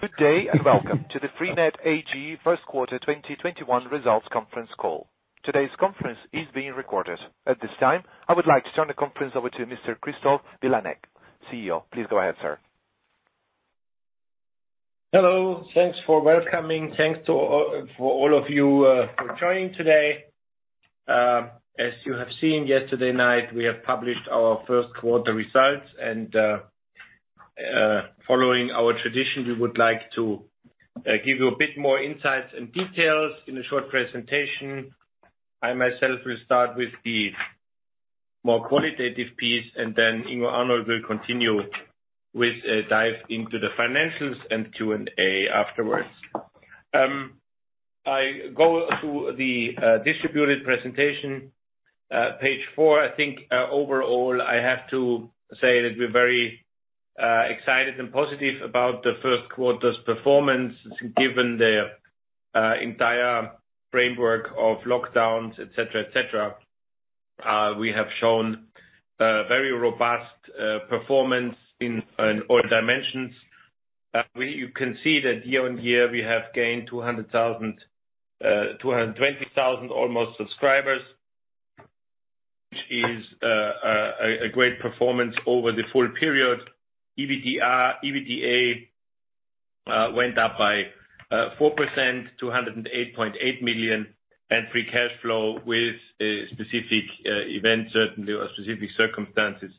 Good day and welcome to the freenet AG first quarter 2021 results conference call. Today's conference is being recorded. At this time, I would like to turn the conference over to Mr. Christoph Vilanek, CEO. Please go ahead, sir. Hello. Thanks for welcoming. Thanks for all of you for joining today. As you have seen yesterday night, we have published our first quarter results. Following our tradition, we would like to give you a bit more insights and details in a short presentation. I myself will start with the more qualitative piece. Ingo Arnold will continue with a dive into the financials and Q&A afterwards. I go to the distributed presentation, page four. I think overall, I have to say that we're very excited and positive about the first quarter's performance, given the entire framework of lockdowns, et cetera. We have shown very robust performance in all dimensions. You can see that year-over-year, we have gained 220,000 almost subscribers, which is a great performance over the full period. EBITDA went up by 4%, to 108.8 million, and free cash flow with specific events certainly, or specific circumstances,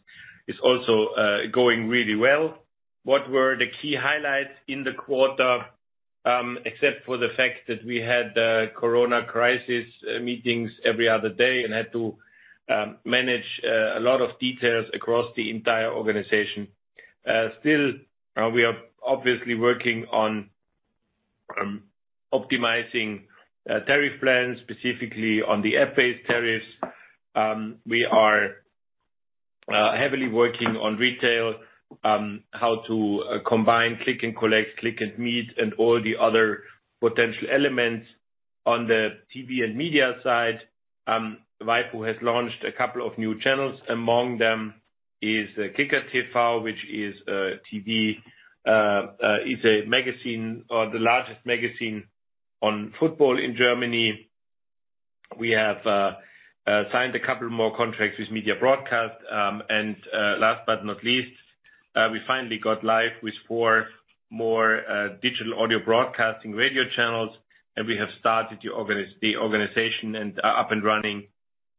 is also going really well. What were the key highlights in the quarter, except for the fact that we had Corona crisis meetings every other day and had to manage a lot of details across the entire organization? Still, we are obviously working on optimizing tariff plans, specifically on the app-based tariffs. We are heavily working on retail, how to combine click and collect, click and meet, and all the other potential elements. On the TV and media side, waipu.tv has launched a couple of new channels. Among them is kicker.tv, which is a magazine or the largest magazine on football in Germany. We have signed a couple more contracts with Media Broadcast. Last but not least, we finally got live with four more Digital Audio Broadcasting radio channels, and we have started the organization and are up and running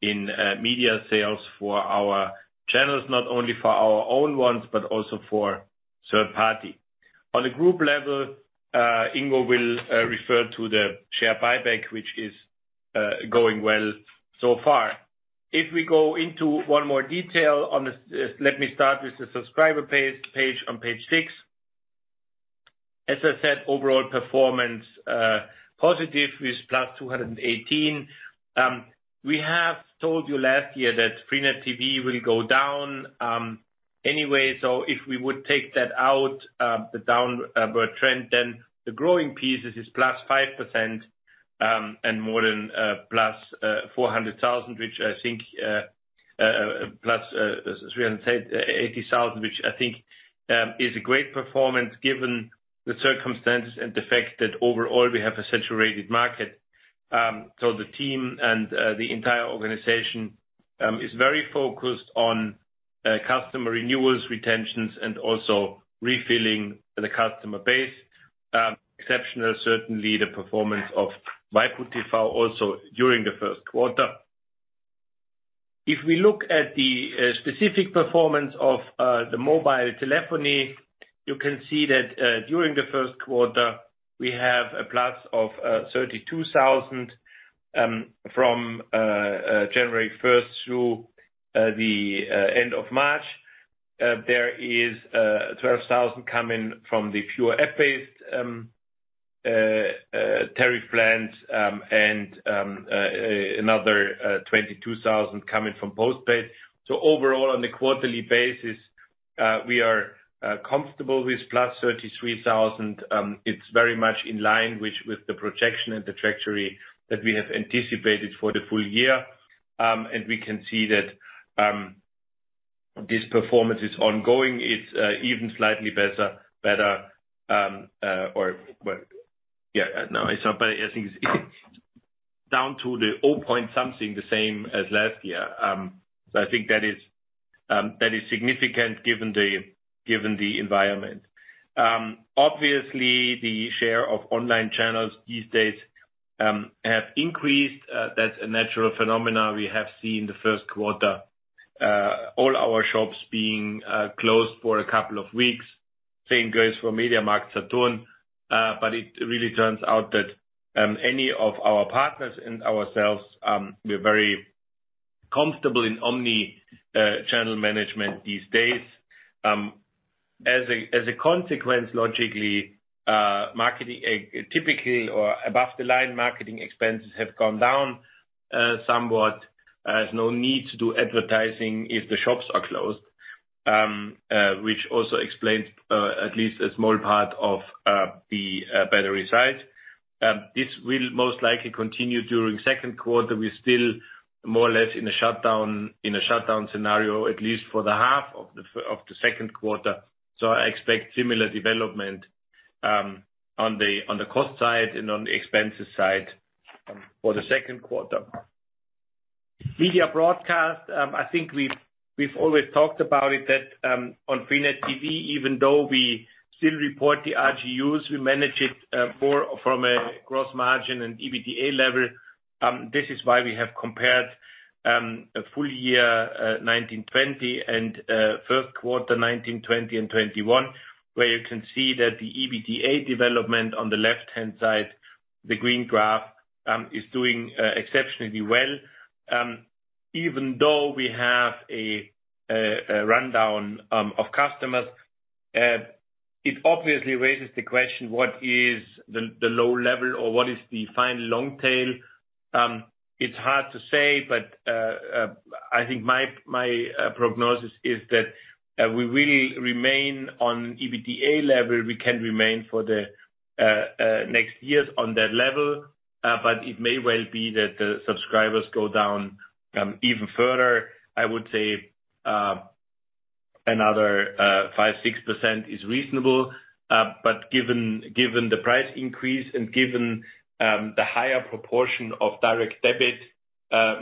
in media sales for our channels, not only for our own ones, but also for third party. On the group level, Ingo will refer to the share buyback, which is going well so far. If we go into one more detail on this, let me start with the subscriber page on page six. As I said, overall performance positive with plus 218. We have told you last year that freenet TV will go down anyway. If we would take that out, the downward trend, then the growing piece is +5%, and more than +400,000, which I think plus 380,000, which I think is a great performance given the circumstances and the fact that overall we have a saturated market. The team and the entire organization is very focused on customer renewals, retentions, and also refilling the customer base. Exceptional, certainly, the performance of waipu.tv also during the first quarter. If we look at the specific performance of the mobile telephony, you can see that during the first quarter, we have a plus of 32,000 from January 1st through the end of March. There is 12,000 coming from the pure app-based tariffs, and another 22,000 coming from postpaid. Overall, on a quarterly basis we are comfortable with +33,000. It's very much in line with the projection and the trajectory that we have anticipated for the full year. We can see that this performance is ongoing. It's even slightly better. Well, yeah, no. I think it's down to the 0-point something, the same as last year. I think that is significant given the environment. Obviously, the share of online channels these days have increased. That's a natural phenomena. We have seen the first quarter all our shops being closed for a couple of weeks. Same goes for MediaMarktSaturn. It really turns out that any of our partners and ourselves, we're very comfortable in omni-channel management these days. As a consequence, logically, typically or above the line marketing expenses have gone down somewhat, as no need to do advertising if the shops are closed, which also explains at least a small part of the better results. This will most likely continue during second quarter. We're still more or less in a shutdown scenario, at least for the half of the second quarter. I expect similar development on the cost side and on the expenses side for the second quarter. Media Broadcast. I think we've always talked about it, that on freenet TV, even though we still report the RGUs, we manage it from a gross margin and EBITDA level. This is why we have compared a full year, 2019/2020, and first quarter, 2019/2020 and 2021, where you can see that the EBITDA development on the left-hand side, the green graph, is doing exceptionally well. Even though we have a rundown of customers. It obviously raises the question, what is the low level or what is the final long tail? It's hard to say, I think my prognosis is that we will remain on EBITDA level. We can remain for the next years on that level. It may well be that the subscribers go down even further. I would say another 5%, 6% is reasonable. Given the price increase and given the higher proportion of direct debit,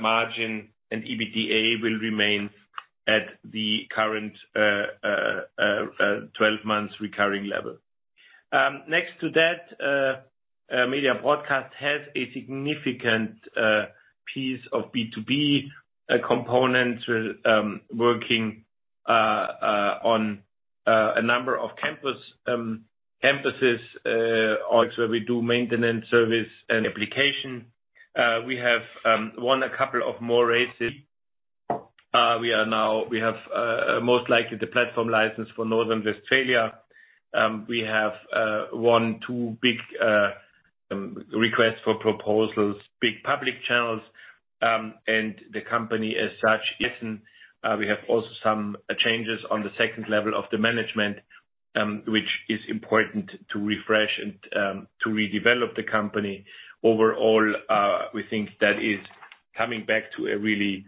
margin and EBITDA will remain at the current 12 months recurring level. Next to that, Media Broadcast has a significant piece of B2B component, working on a number of campuses where we do maintenance, service, and application. We have won a couple of more races. We have most likely the platform license for North Rhine-Westphalia. We have won two big requests for proposals, big public channels. The company as such, we have also some changes on the second level of the management, which is important to refresh and to redevelop the company. Overall, we think that is coming back to a really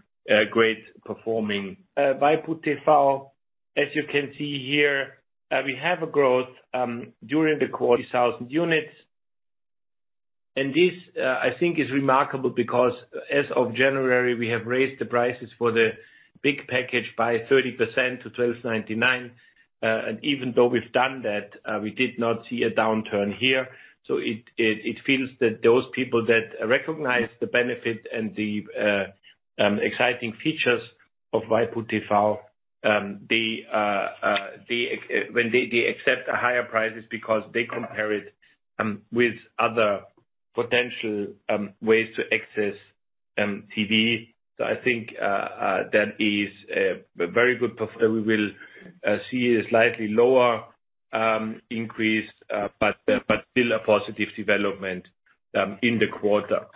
great performing waipu.tv. As you can see here, we have a growth during the quarter, 2,000 units. This, I think, is remarkable because as of January, we have raised the prices for the big package by 30% to 12.99. Even though we've done that, we did not see a downturn here. It feels that those people that recognize the benefit and the exciting features of waipu.tv, when they accept higher prices because they compare it with other potential ways to access TV. I think that is a very good performance. We will see a slightly lower increase, but still a positive development in the quarter.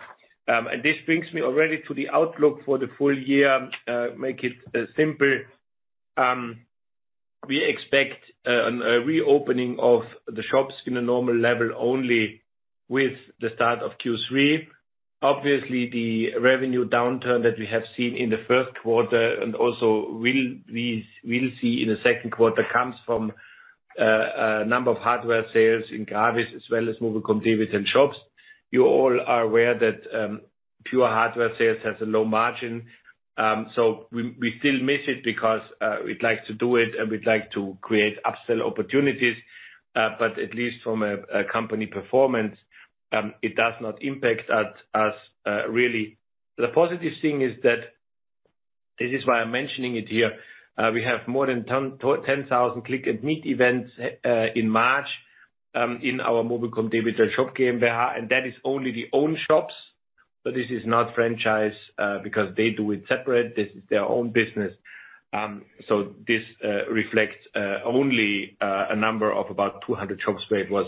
This brings me already to the outlook for the full year. Make it simple. We expect a reopening of the shops in a normal level only with the start of Q3. The revenue downturn that we have seen in the first quarter and also we'll see in the second quarter, comes from a number of hardware sales in GRAVIS as well as mobilcom-debitel shops. You all are aware that pure hardware sales has a low margin. We still miss it because, we'd like to do it, and we'd like to create upsell opportunities. At least from a company performance, it does not impact us really. The positive thing is that this is why I'm mentioning it here. We have more than 10,000 Click and Meet events in March, in our mobilcom-debitel Shop GmbH, and that is only the owned shops. This is not franchise, because they do it separate. This is their own business. This reflects only a number of about 200 shops where it was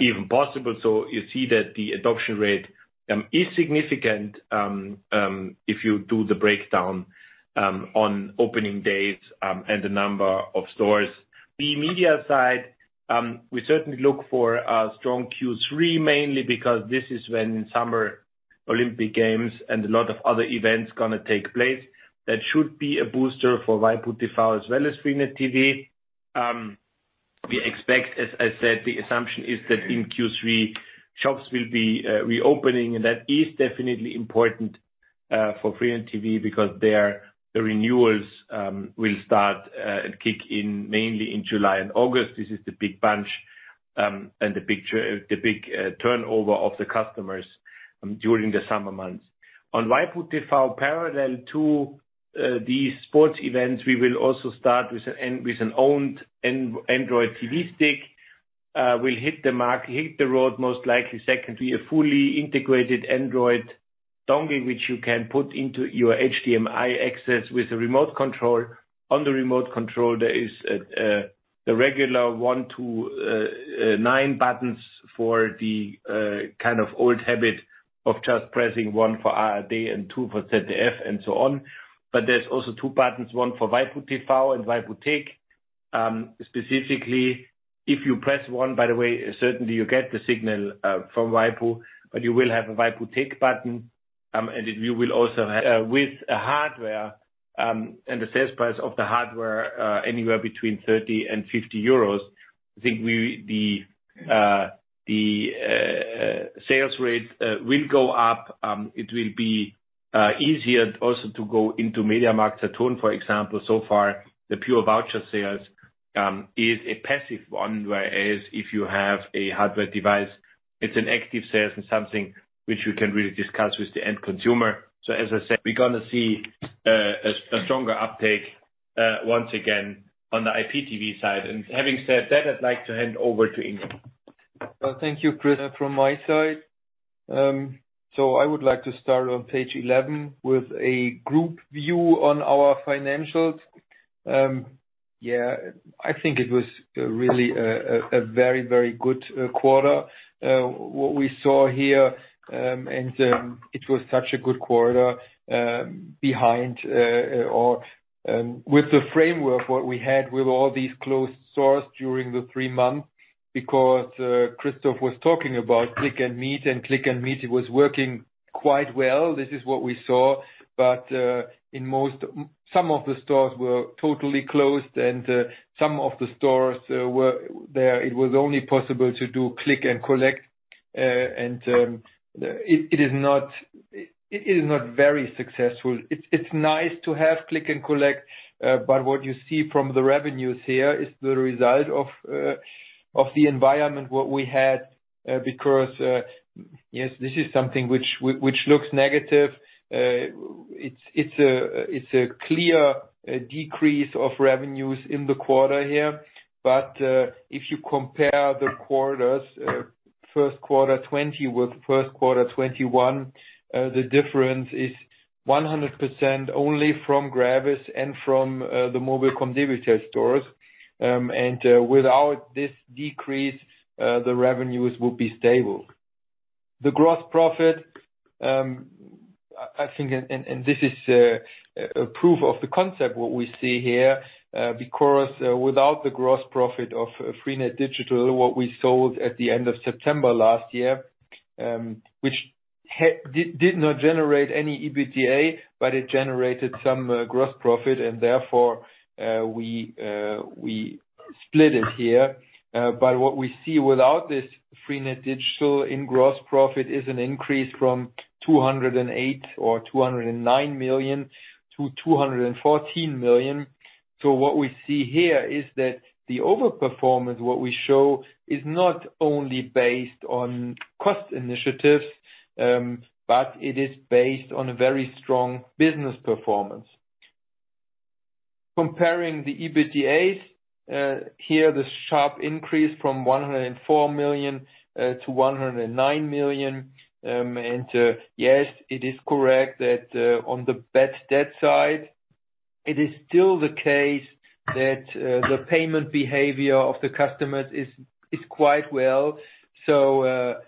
even possible. You see that the adoption rate is significant if you do the breakdown on opening dates, and the number of stores. The media side, we certainly look for a strong Q3, mainly because this is when summer Olympic Games and a lot of other events gonna take place. That should be a booster for waipu.tv as well as freenet TV. We expect, as I said, the assumption is that in Q3, shops will be reopening, and that is definitely important for freenet TV because the renewals will start and kick in mainly in July and August. This is the big bunch, and the big turnover of the customers during the summer months. On waipu.tv, parallel to these sports events, we will also start with an owned Android TV stick. We'll hit the road most likely. A fully integrated Android dongle, which you can put into your HDMI access with a remote control. On the remote control, there is the regular one to nine buttons for the old habit of just pressing one for R&D and two for ZDF and so on. There's also two buttons, one for waipu.tv and waipu.tv. Specifically, if you press one, by the way, certainly you get the signal from waipu.tv, you will have a waipu.tv button. With a hardware and the sales price of the hardware, anywhere between 30 and 50 euros, I think the sales rate will go up. It will be easier also to go into MediaMarktSaturn, for example. Far, the pure voucher sales is a passive one, whereas if you have a hardware device, it's an active sales and something which you can really discuss with the end consumer. As I said, we're going to see a stronger uptake once again on the IPTV side. Having said that, I'd like to hand over to Ingo Arnold. Thank you, Chris. From my side, I would like to start on page 11 with a group view on our financials. I think it was really a very good quarter, what we saw here. It was such a good quarter behind or with the framework, what we had with all these closed stores during the three months, because Christoph Vilanek was talking about click and meet, and click and meet was working quite well. This is what we saw. Some of the stores were totally closed and some of the stores were there. It was only possible to do click and collect. It is not very successful. It's nice to have click and collect, but what you see from the revenues here is the result of the environment, what we had, because this is something which looks negative. It's a clear decrease of revenues in the quarter here. If you compare the quarters, first quarter 2020 with first quarter 2021, the difference is 100% only from GRAVIS and from the mobilcom-debitel stores. Without this decrease, the revenues will be stable. The gross profit, I think, and this is a proof of the concept, what we see here, because without the gross profit of freenet digital, what we sold at the end of September last year, which did not generate any EBITDA, but it generated some gross profit, and therefore, we split it here. What we see without this freenet digital in gross profit is an increase from 208 million or 209 million-214 million. What we see here is that the overperformance, what we show, is not only based on cost initiatives, but it is based on a very strong business performance. Comparing the EBITDAs, here the sharp increase from 104 million-109 million. Yes, it is correct that on the bad debt side, it is still the case that the payment behavior of the customers is quite well. The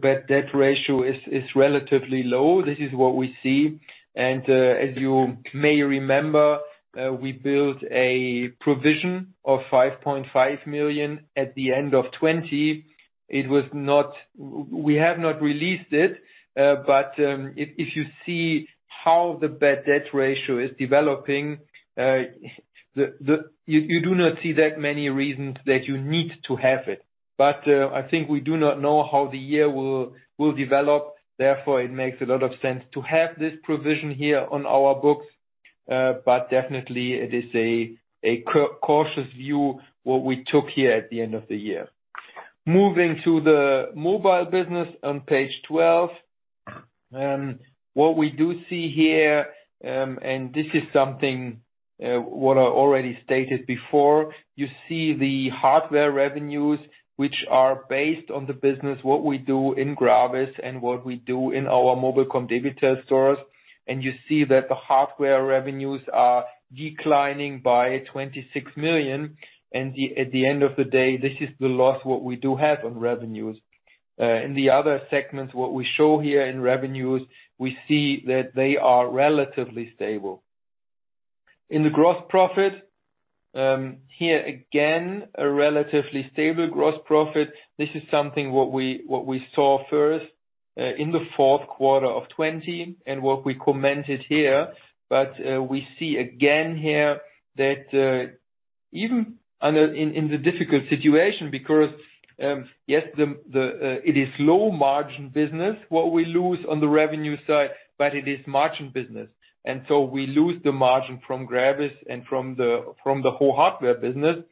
bad debt ratio is relatively low. This is what we see. As you may remember, we built a provision of 5.5 million at the end of 2020. We have not released it. If you see how the bad debt ratio is developing, you do not see that many reasons that you need to have it. I think we do not know how the year will develop. Therefore, it makes a lot of sense to have this provision here on our books. Definitely it is a cautious view, what we took here at the end of the year. Moving to the mobile business on page 12. What we do see here, and this is something what I already stated before. You see the hardware revenues, which are based on the business, what we do in GRAVIS and what we do in our mobilcom-debitel stores. You see that the hardware revenues are declining by 26 million, and at the end of the day, this is the loss what we do have on revenues. In the other segments, what we show here in revenues, we see that they are relatively stable. In the gross profit, here again, a relatively stable gross profit. This is something what we saw first in the fourth quarter of 2020 and what we commented here. We see again here that even in the difficult situation, because, yes, it is low margin business, what we lose on the revenue side, but it is margin business. We lose the margin from GRAVIS and from the whole hardware business.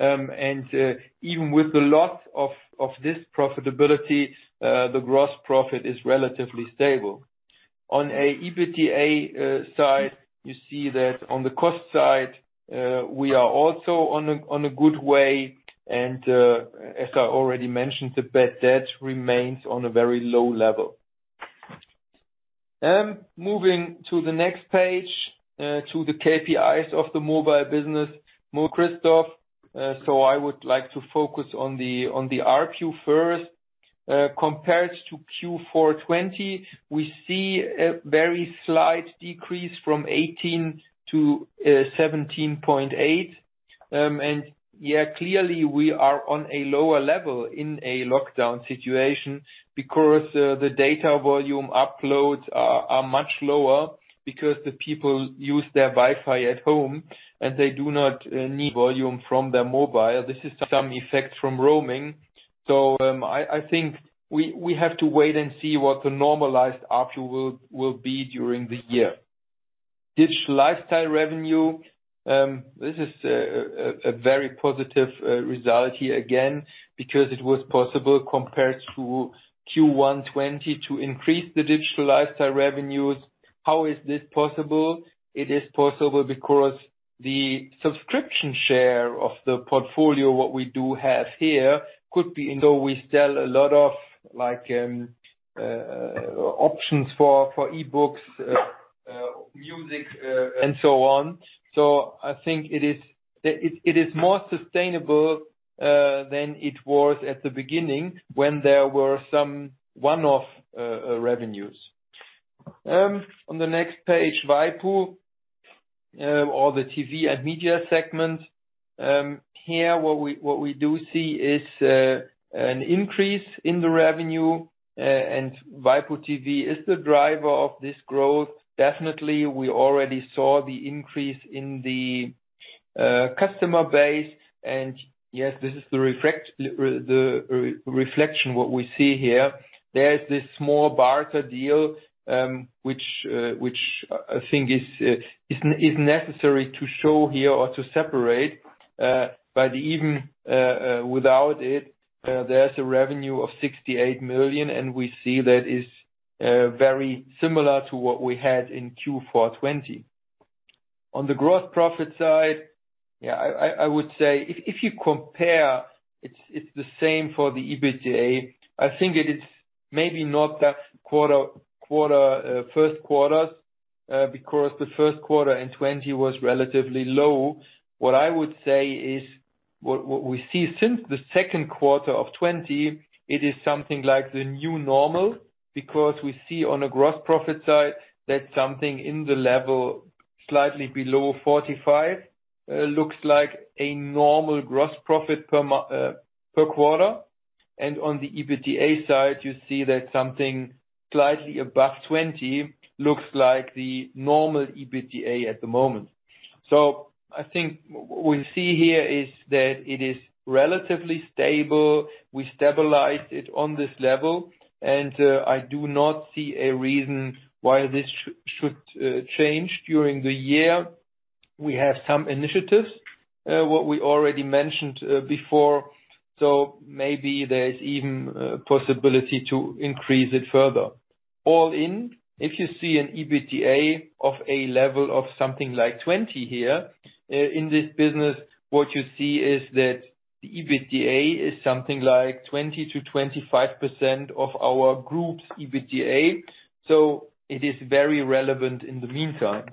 Even with the loss of this profitability, the gross profit is relatively stable. EBITDA side, you see that on the cost side, we are also on a good way, and as I already mentioned, the bad debt remains on a very low level. Moving to the next page, to the KPIs of the mobile business. I would like to focus on the ARPU first. Compared to Q4 2020, we see a very slight decrease from 18-17.8. Clearly we are on a lower level in a lockdown situation because the data volume uploads are much lower because the people use their Wi-Fi at home, and they do not need volume from their mobile. This is some effect from roaming. I think we have to wait and see what the normalized ARPU will be during the year. Digital Lifestyle revenue. This is a very positive result here again, because it was possible, compared to Q1 2020, to increase the Digital Lifestyle revenues. How is this possible? It is possible because the subscription share of the portfolio, what we do have here, could be, though we sell a lot of options for e-books, music, and so on. I think it is more sustainable than it was at the beginning when there were some one-off revenues. On the next page, waipu.tv or the TV and Media Segment. Here what we do see is an increase in the revenue, and waipu.tv is the driver of this growth. Definitely, we already saw the increase in the customer base, and this is the reflection, what we see here. There's this small barter deal, which I think is necessary to show here or to separate. Even without it, there's a revenue of 68 million, and we see that is very similar to what we had in Q4 2020. On the gross profit side, I would say if you compare, it's the same for the EBITDA. I think it is maybe not that first quarters, because the first quarter in 2020 was relatively low. What I would say is, what we see since the second quarter of 2020, it is something like the new normal, because we see on a gross profit side that something in the level slightly below 45 million looks like a normal gross profit per quarter. On the EBITDA side, you see that something slightly above 20 million looks like the normal EBITDA at the moment. I think what we see here is that it is relatively stable. We stabilize it on this level, and I do not see a reason why this should change during the year. We have some initiatives, what we already mentioned before. Maybe there's even a possibility to increase it further. All in, if you see an EBITDA of a level of something like 20 here in this business, what you see is that the EBITDA is something like 20%-25% of our group's EBITDA. It is very relevant in the meantime.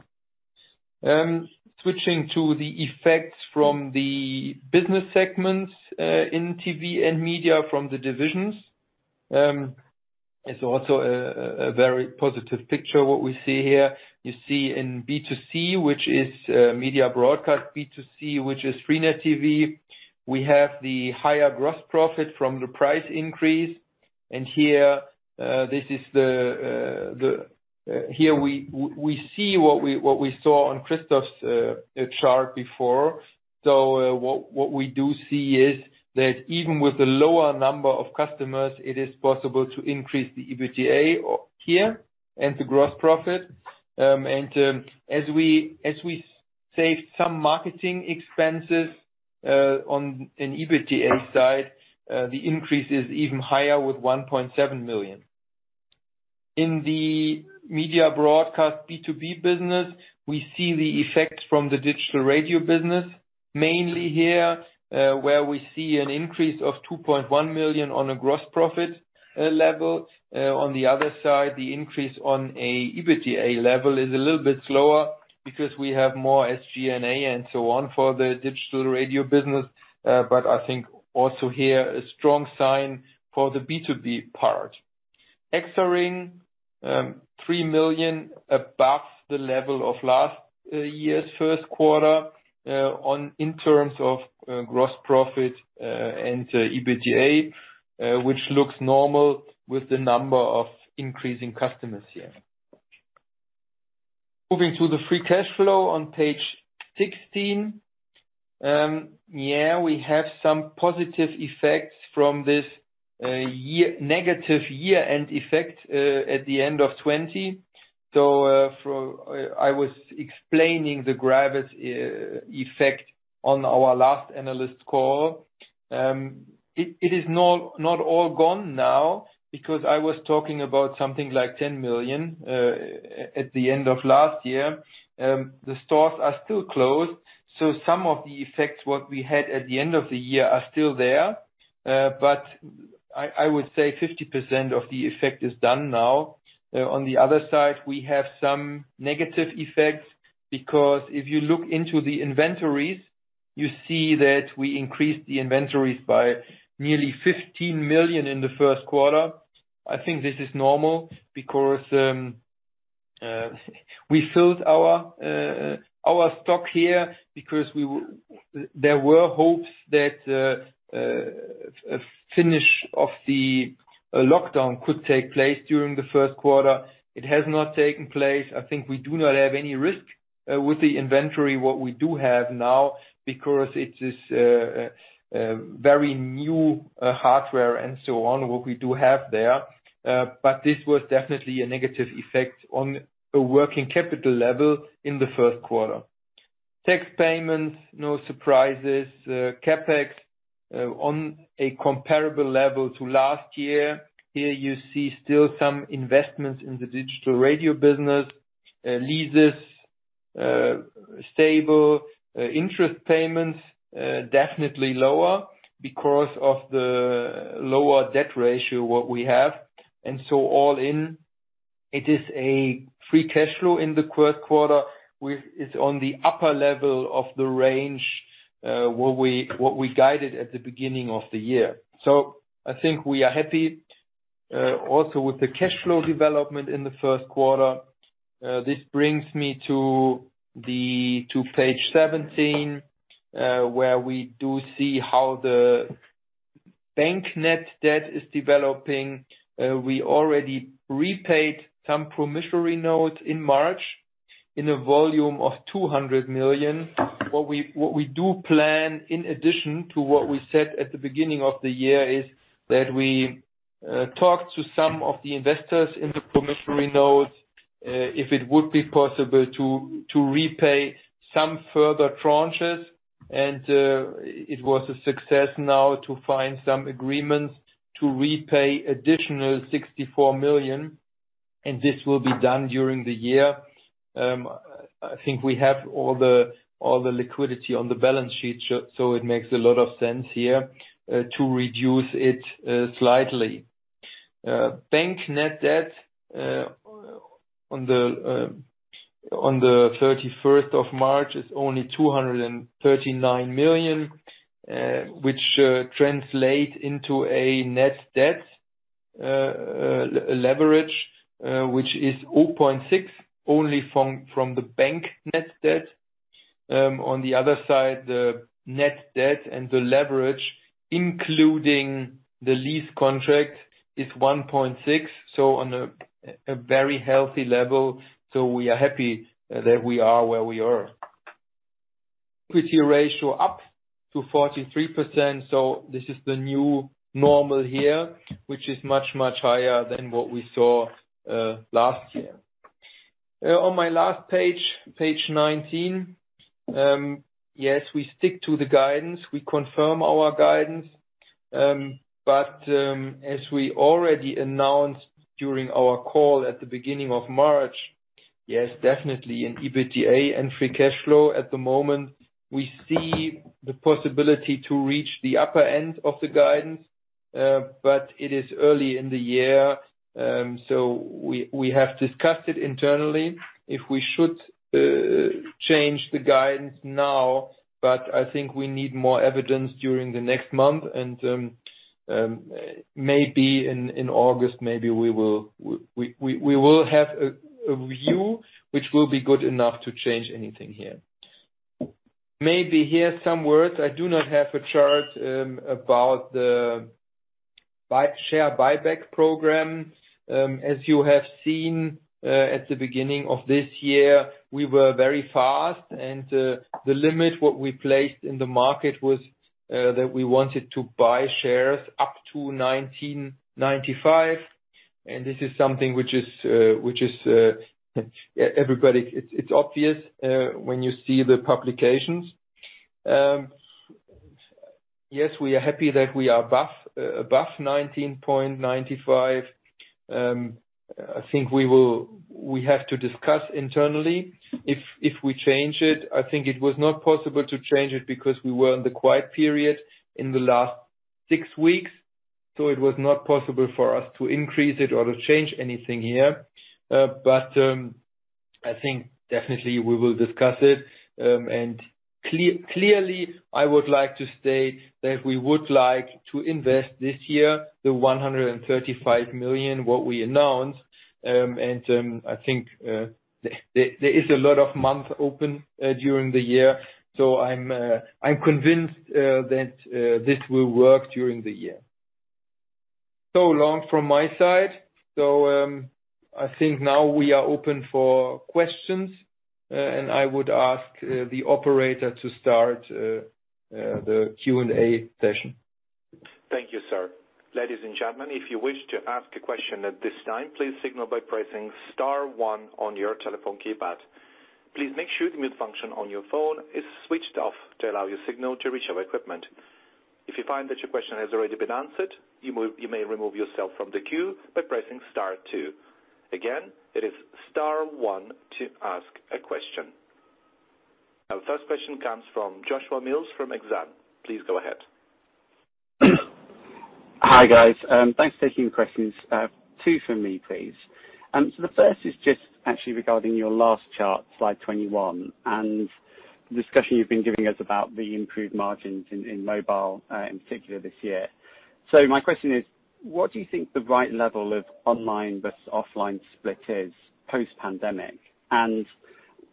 Switching to the effects from the business segments in TV and media from the divisions. It's also a very positive picture, what we see here. You see in B2C, which is Media Broadcast B2C, which is freenet TV, we have the higher gross profit from the price increase. Here we see what we saw on Christoph's chart before. What we do see is that even with the lower number of customers, it is possible to increase the EBITDA here and the gross profit. As we save some marketing expenses on an EBITDA side, the increase is even higher with 1.7 million. In the Media Broadcast B2B business, we see the effects from the digital radio business, mainly here, where we see an increase of 2.1 million on a gross profit level. On the other side, the increase on an EBITDA level is a little bit slower because we have more SG&A and so on for the digital radio business. I think also here, a strong sign for the B2B part. Exaring, 3 million above the level of last year's first quarter in terms of gross profit and EBITDA, which looks normal with the number of increasing customers here. Moving to the free cash flow on page 16. We have some positive effects from this negative year-end effect at the end of 2020. I was explaining the GRAVIS effect on our last analyst call. It is not all gone now because I was talking about something like 10 million at the end of last year. The stores are still closed, some of the effects, what we had at the end of the year, are still there. I would say 50% of the effect is done now. On the other side, we have some negative effects because if you look into the inventories. You see that we increased the inventories by nearly 15 million in the first quarter. I think this is normal because we filled our stock here, because there were hopes that a finish of the lockdown could take place during the first quarter. It has not taken place. I think we do not have any risk with the inventory, what we do have now, because it is very new hardware and so on, what we do have there. This was definitely a negative effect on a working capital level in the first quarter. Tax payments, no surprises. CapEx, on a comparable level to last year. Here you see still some investments in the digital radio business. Leases stable. Interest payments definitely lower because of the lower debt ratio, what we have. All in, it is a free cash flow in the first quarter, it's on the upper level of the range, what we guided at the beginning of the year. I think we are happy also with the cash flow development in the first quarter. This brings me to page 17, where we do see how the bank net debt is developing. We already repaid some promissory notes in March in a volume of 200 million. What we do plan in addition to what we said at the beginning of the year, is that we talk to some of the investors in the promissory notes, if it would be possible to repay some further tranches. It was a success now to find some agreements to repay additional 64 million, and this will be done during the year. I think we have all the liquidity on the balance sheet, so it makes a lot of sense here, to reduce it slightly. Bank net debt on the March 31st is only 239 million, which translate into a net debt leverage, which is 0.6, only from the bank net debt. On the other side, the net debt and the leverage, including the lease contract is 1.6. On a very healthy level. We are happy that we are where we are. Liquidity ratio up to 43%. This is the new normal here, which is much, much higher than what we saw last year. On my last page 19. Yes, we stick to the guidance. We confirm our guidance. As we already announced during our call at the beginning of March, yes, definitely in EBITDA and free cash flow at the moment, we see the possibility to reach the upper end of the guidance. It is early in the year, so we have discussed it internally if we should change the guidance now. I think we need more evidence during the next month and maybe in August, maybe we will have a review, which will be good enough to change anything here. Maybe here some words. I do not have a chart about the share buyback program. As you have seen at the beginning of this year, we were very fast and the limit what we placed in the market was that we wanted to buy shares up to 19.95. This is something which is obvious when you see the publications. Yes, we are happy that we are above 19.95. I think we have to discuss internally if we change it. I think it was not possible to change it because we were in the quiet period in the last six weeks, so it was not possible for us to increase it or to change anything here. I think definitely we will discuss it. Clearly, I would like to state that we would like to invest this year the 135 million, what we announced. I think there is a lot of months open during the year, so I'm convinced that this will work during the year. That's all from my side. I think now we are open for questions, and I would ask the operator to start the Q&A session. Thank you, sir. Ladies and gentlemen, if you wish to ask a question at this time, please signal by pressing star one on your telephone keypad. Please make sure the mute function on your phone is switched off to allow your signal to reach our equipment. If you find that your question has already been answered, you may remove yourself from the queue by pressing star two. Again, it is star one to ask a question. Our first question comes from Joshua Mills from Exane. Please go ahead. Hi, guys. Thanks for taking the questions. Two from me, please. The first is just actually regarding your last chart, slide 21, and the discussion you've been giving us about the improved margins in mobile, in particular this year. My question is, what do you think the right level of online versus offline split is post-pandemic?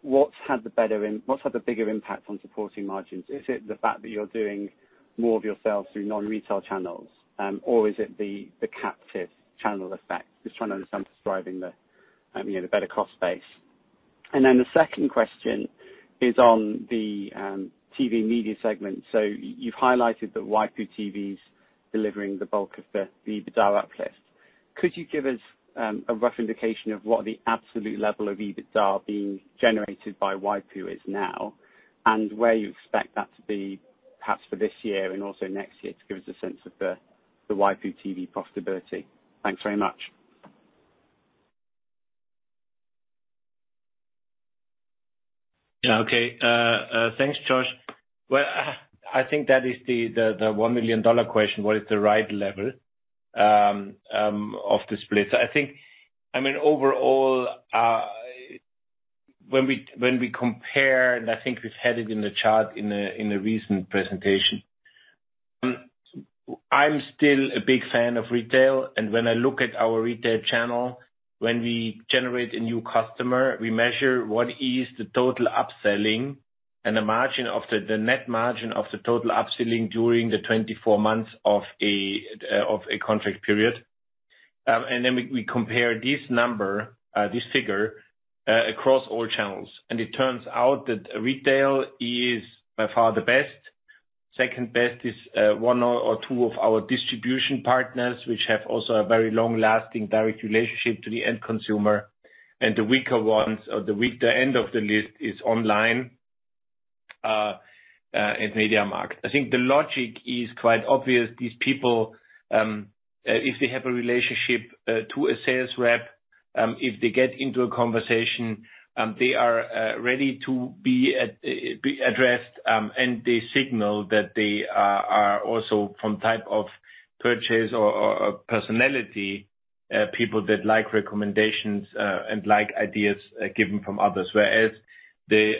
What's had the bigger impact on supporting margins? Is it the fact that you're doing more of your sales through non-retail channels? Is it the captive channel effect? Just trying to understand what's driving the better cost base. The second question is on the TV media segment. You've highlighted that waipu.tv's delivering the bulk of the EBITDA uplift. Could you give us a rough indication of what the absolute level of EBITDA being generated by waipu.tv is now, and where you expect that to be, perhaps for this year and also next year, to give us a sense of the waipu.tv profitability? Thanks very much. Yeah. Okay. Thanks, Josh. I think that is the EUR 1 million question: what is the right level of the split? I think, overall, when we compare, I think we've had it in the chart in a recent presentation. I'm still a big fan of retail, when I look at our retail channel, when we generate a new customer, we measure what is the total upselling and the net margin of the total upselling during the 24 months of a contract period. We compare this number, this figure, across all channels. It turns out that retail is by far the best. Second best is one or two of our distribution partners, which have also a very long-lasting direct relationship to the end consumer, and the weaker ones or the end of the list is online and MediaMarkt. I think the logic is quite obvious. These people, if they have a relationship to a sales rep, if they get into a conversation, they are ready to be addressed, and they signal that they are also from type of purchase or personality, people that like recommendations, and like ideas given from others. Whereas the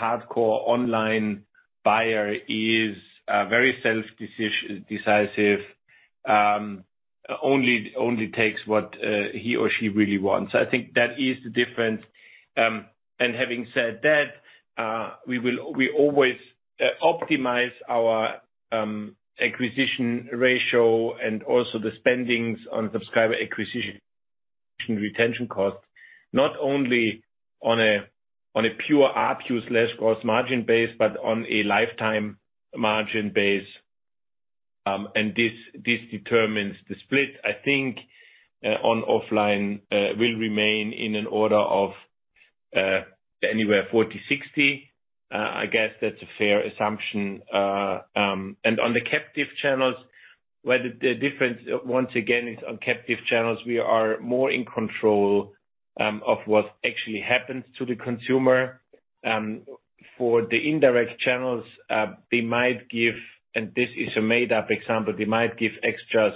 hardcore online buyer is very self-decisive, only takes what he or she really wants. I think that is the difference. Having said that, we always optimize our acquisition ratio and also the spendings on subscriber acquisition retention costs, not only on a pure ARPU/gross margin base, but on a lifetime margin base, and this determines the split. I think on offline, will remain in an order of anywhere 40/60. I guess that's a fair assumption. On the captive channels, where the difference, once again, is on captive channels, we are more in control of what actually happens to the consumer. For the indirect channels, they might give, and this is a made-up example, they might give extras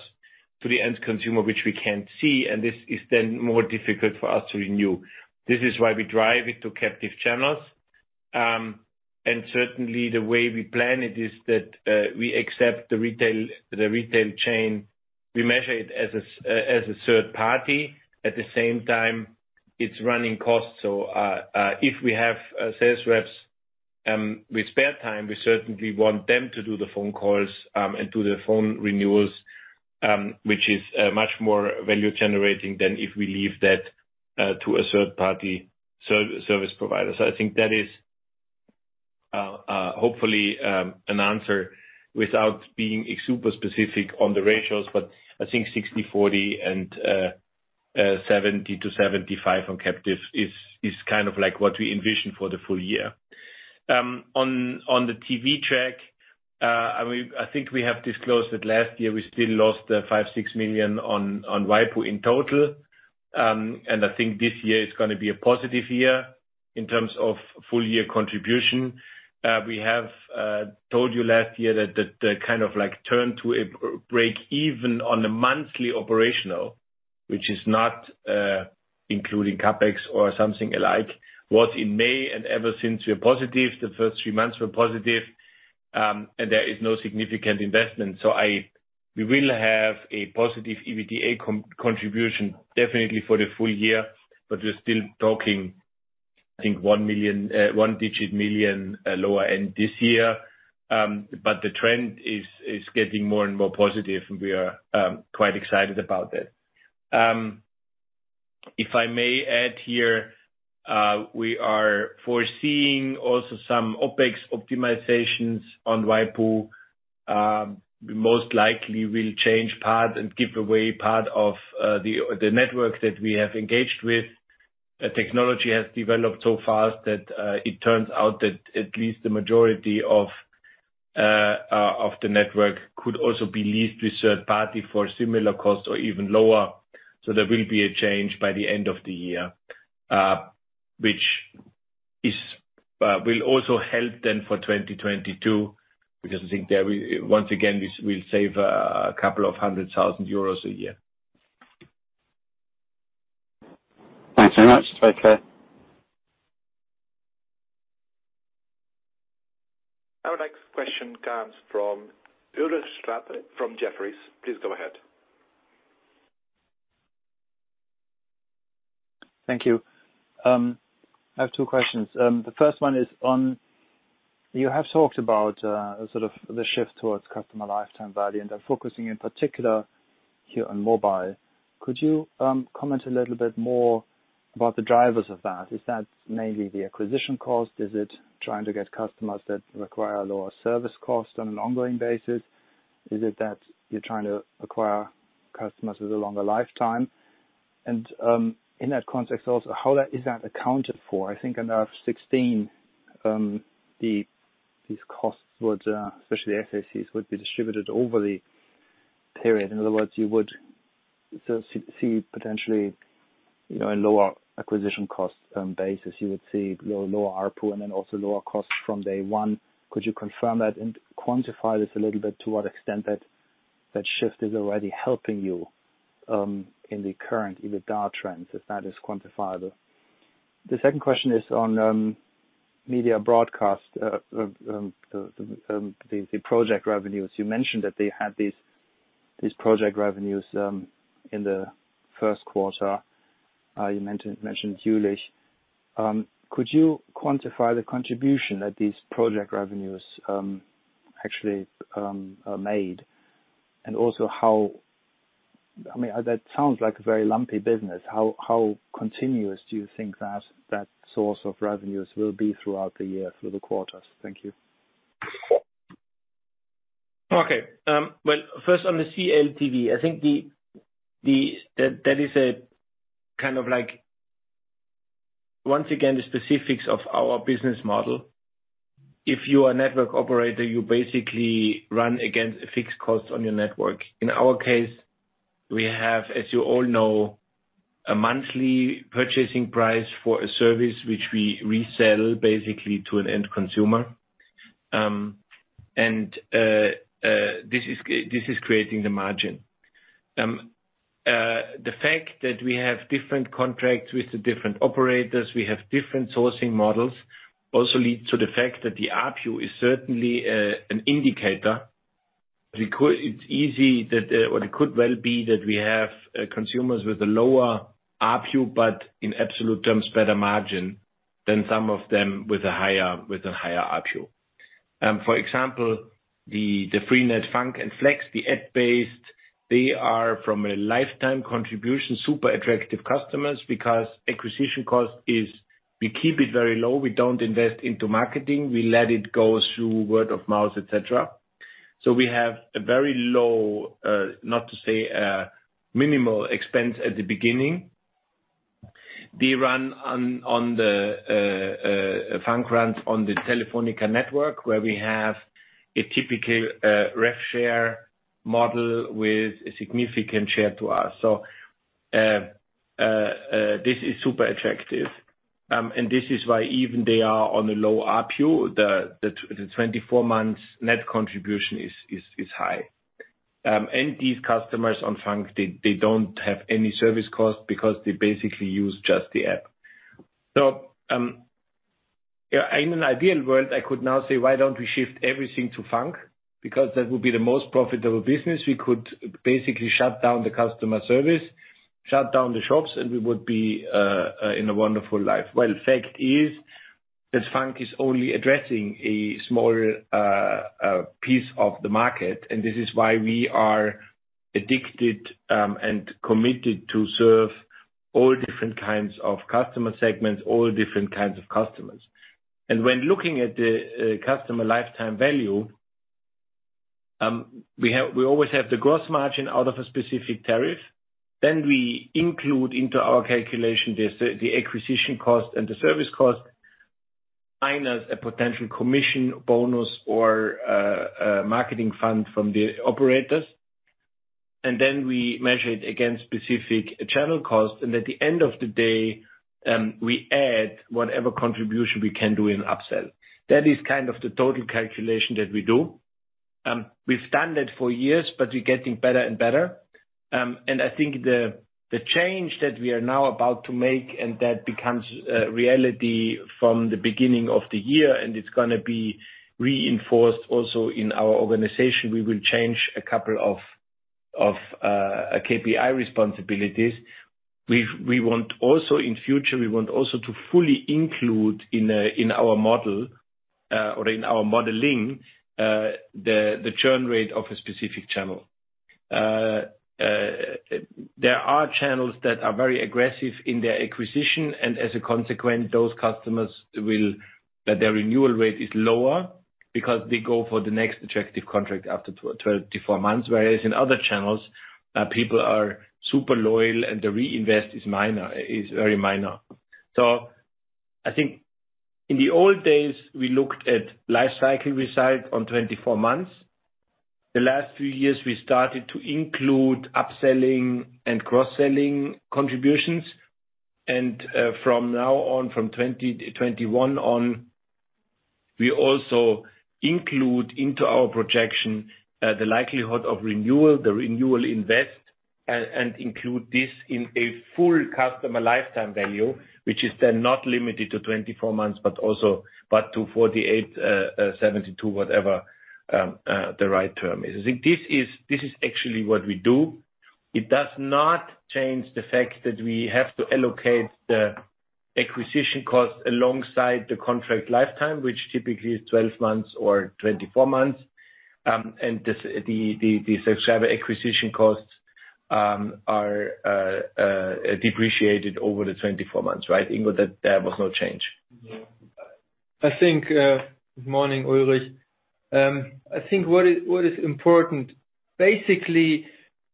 to the end consumer, which we can't see, and this is then more difficult for us to renew. This is why we drive it to captive channels. Certainly, the way we plan it is that, we accept the retail chain. We measure it as a third party. At the same time, it's running costs. If we have sales reps with spare time, we certainly want them to do the phone calls, and do the phone renewals, which is much more value-generating than if we leave that to a third-party service provider. I think that is, hopefully, an answer without being super specific on the ratios, but I think 60/40 and 70 to 75 on captive is kind of like what we envision for the full year. On the TV check, I think we have disclosed that last year we still lost 5 million, 6 million on waipu in total. I think this year is gonna be a positive year in terms of full-year contribution. We have told you last year that the kind of like turn to break even on a monthly operational, which is not including CapEx or something alike, was in May, and ever since, we're positive. The first three months were positive, there is no significant investment. We will have a positive EBITDA contribution definitely for the full year, but we're still talking, I think, EUR one-digit million lower end this year. The trend is getting more and more positive, and we are quite excited about that. If I may add here, we are foreseeing also some OpEx optimizations on waipu. We most likely will change part and give away part of the network that we have engaged with. Technology has developed so fast that it turns out that at least the majority of the network could also be leased with a third party for similar cost or even lower. There will be a change by the end of the year, which will also help for 2022, because I think there, once again, we'll save a couple of hundred thousand EUR a year. Thanks very much. Very clear. Our next question comes from Ulrich Rathe from Jefferies. Please go ahead. Thank you. I have two questions. The first one is on, you have talked about sort of the shift towards customer lifetime value, then focusing in particular here on mobile. Could you comment a little bit more about the drivers of that? Is that mainly the acquisition cost? Is it trying to get customers that require lower service cost on an ongoing basis? Is it that you're trying to acquire customers with a longer lifetime? In that context also, how is that accounted for? I think in IFRS 15, these costs would, especially the SACs, would be distributed over the period. In other words, you would see potentially a lower acquisition cost basis. You would see lower ARPU and then also lower costs from day one. Could you confirm that and quantify this a little bit to what extent that shift is already helping you, in the current EBITDA trends, if that is quantifiable? The second question is on Media Broadcast. The project revenues. You mentioned that they had these project revenues, in the first quarter. You mentioned Jülich. Could you quantify the contribution that these project revenues actually made? That sounds like a very lumpy business. How continuous do you think that source of revenues will be throughout the year through the quarters? Thank you. Okay. Well, first on the CLTV, I think that is a kind of like, once again, the specifics of our business model. If you are a network operator, you basically run against a fixed cost on your network. In our case, we have, as you all know, a monthly purchasing price for a service which we resell basically to an end consumer. This is creating the margin. The fact that we have different contracts with the different operators, we have different sourcing models, also lead to the fact that the ARPU is certainly an indicator. It could well be that we have consumers with a lower ARPU, but in absolute terms, better margin than some of them with a higher ARPU. For example, the freenet FUNK and FLEX, the app-based, they are from a lifetime contribution, super attractive customers because acquisition cost is, we keep it very low. We don't invest into marketing. We let it go through word of mouth, etc. We have a very low, not to say a minimal expense at the beginning. FUNK runs on the Telefónica network, where we have a typical rev share model with a significant share to us. This is super attractive. This is why even they are on a low ARPU, the 24 months net contribution is high. These customers on FUNK, they don't have any service cost because they basically use just the app. In an ideal world, I could now say, why don't we shift everything to FUNK? Because that would be the most profitable business. We could basically shut down the customer service, shut down the shops, and we would be in a wonderful life. Well, fact is that freenet FUNK is only addressing a smaller piece of the market, this is why we are addicted, and committed to serve all different kinds of customer segments, all different kinds of customers. When looking at the customer lifetime value, we always have the gross margin out of a specific tariff. We include into our calculation the acquisition cost and the service cost, minus a potential commission bonus or marketing fund from the operators. We measure it against specific channel costs. At the end of the day, we add whatever contribution we can do in upsell. That is kind of the total calculation that we do. We've done that for years, we're getting better and better. I think the change that we are now about to make and that becomes reality from the beginning of the year, and it's going to be reinforced also in our organization. We will change a couple of KPI responsibilities. In future, we want also to fully include in our model, or in our modeling, the churn rate of a specific channel. There are channels that are very aggressive in their acquisition, and as a consequence, those customers that their renewal rate is lower because they go for the next attractive contract after 24 months. Whereas in other channels, people are super loyal and the reinvest is very minor. I think in the old days, we looked at life cycle result on 24 months. The last few years, we started to include upselling and cross-selling contributions. From now on, from 2021 on, we also include into our projection, the likelihood of renewal, the renewal invest, and include this in a full customer lifetime value, which is then not limited to 24 months, but to 48, 72, whatever the right term is. I think this is actually what we do. It does not change the fact that we have to allocate the acquisition cost alongside the contract lifetime, which typically is 12 months or 24 months. The subscriber acquisition costs are depreciated over the 24 months, right, Ingo? There was no change. Yeah. Good morning, Ulrich. I think what is important, basically,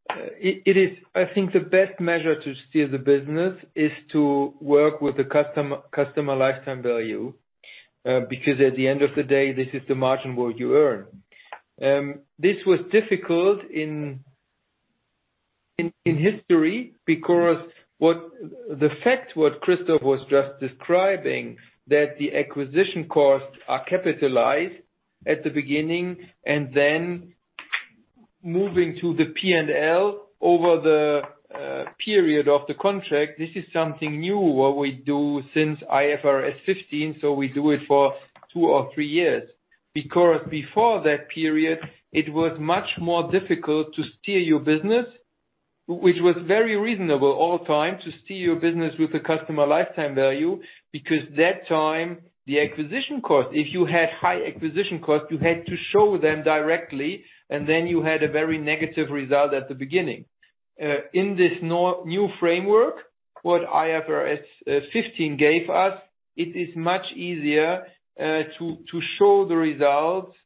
I think the best measure to steer the business is to work with the customer lifetime value, because at the end of the day, this is the margin where you earn. This was difficult in history because the fact what Christoph was just describing, that the acquisition costs are capitalized at the beginning and then moving to the P&L over the period of the contract, this is something new, what we do since IFRS 15, so we do it for two or three years. Because before that period, it was much more difficult to steer your business, which was very reasonable all time to steer your business with a customer lifetime value because that time, the acquisition cost, if you had high acquisition costs, you had to show them directly, and then you had a very negative result at the beginning. In this new framework, what IFRS 15 gave us, it is much easier to show the results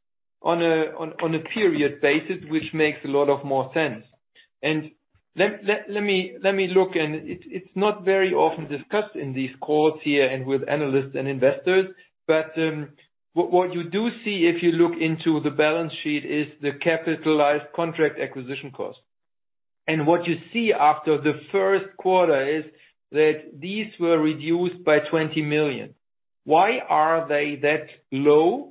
on a period basis, which makes a lot of more sense. Let me look, and it's not very often discussed in these calls here and with analysts and investors, but what you do see if you look into the balance sheet is the capitalized contract acquisition cost. What you see after the first quarter is that these were reduced by 20 million. Why are they that low?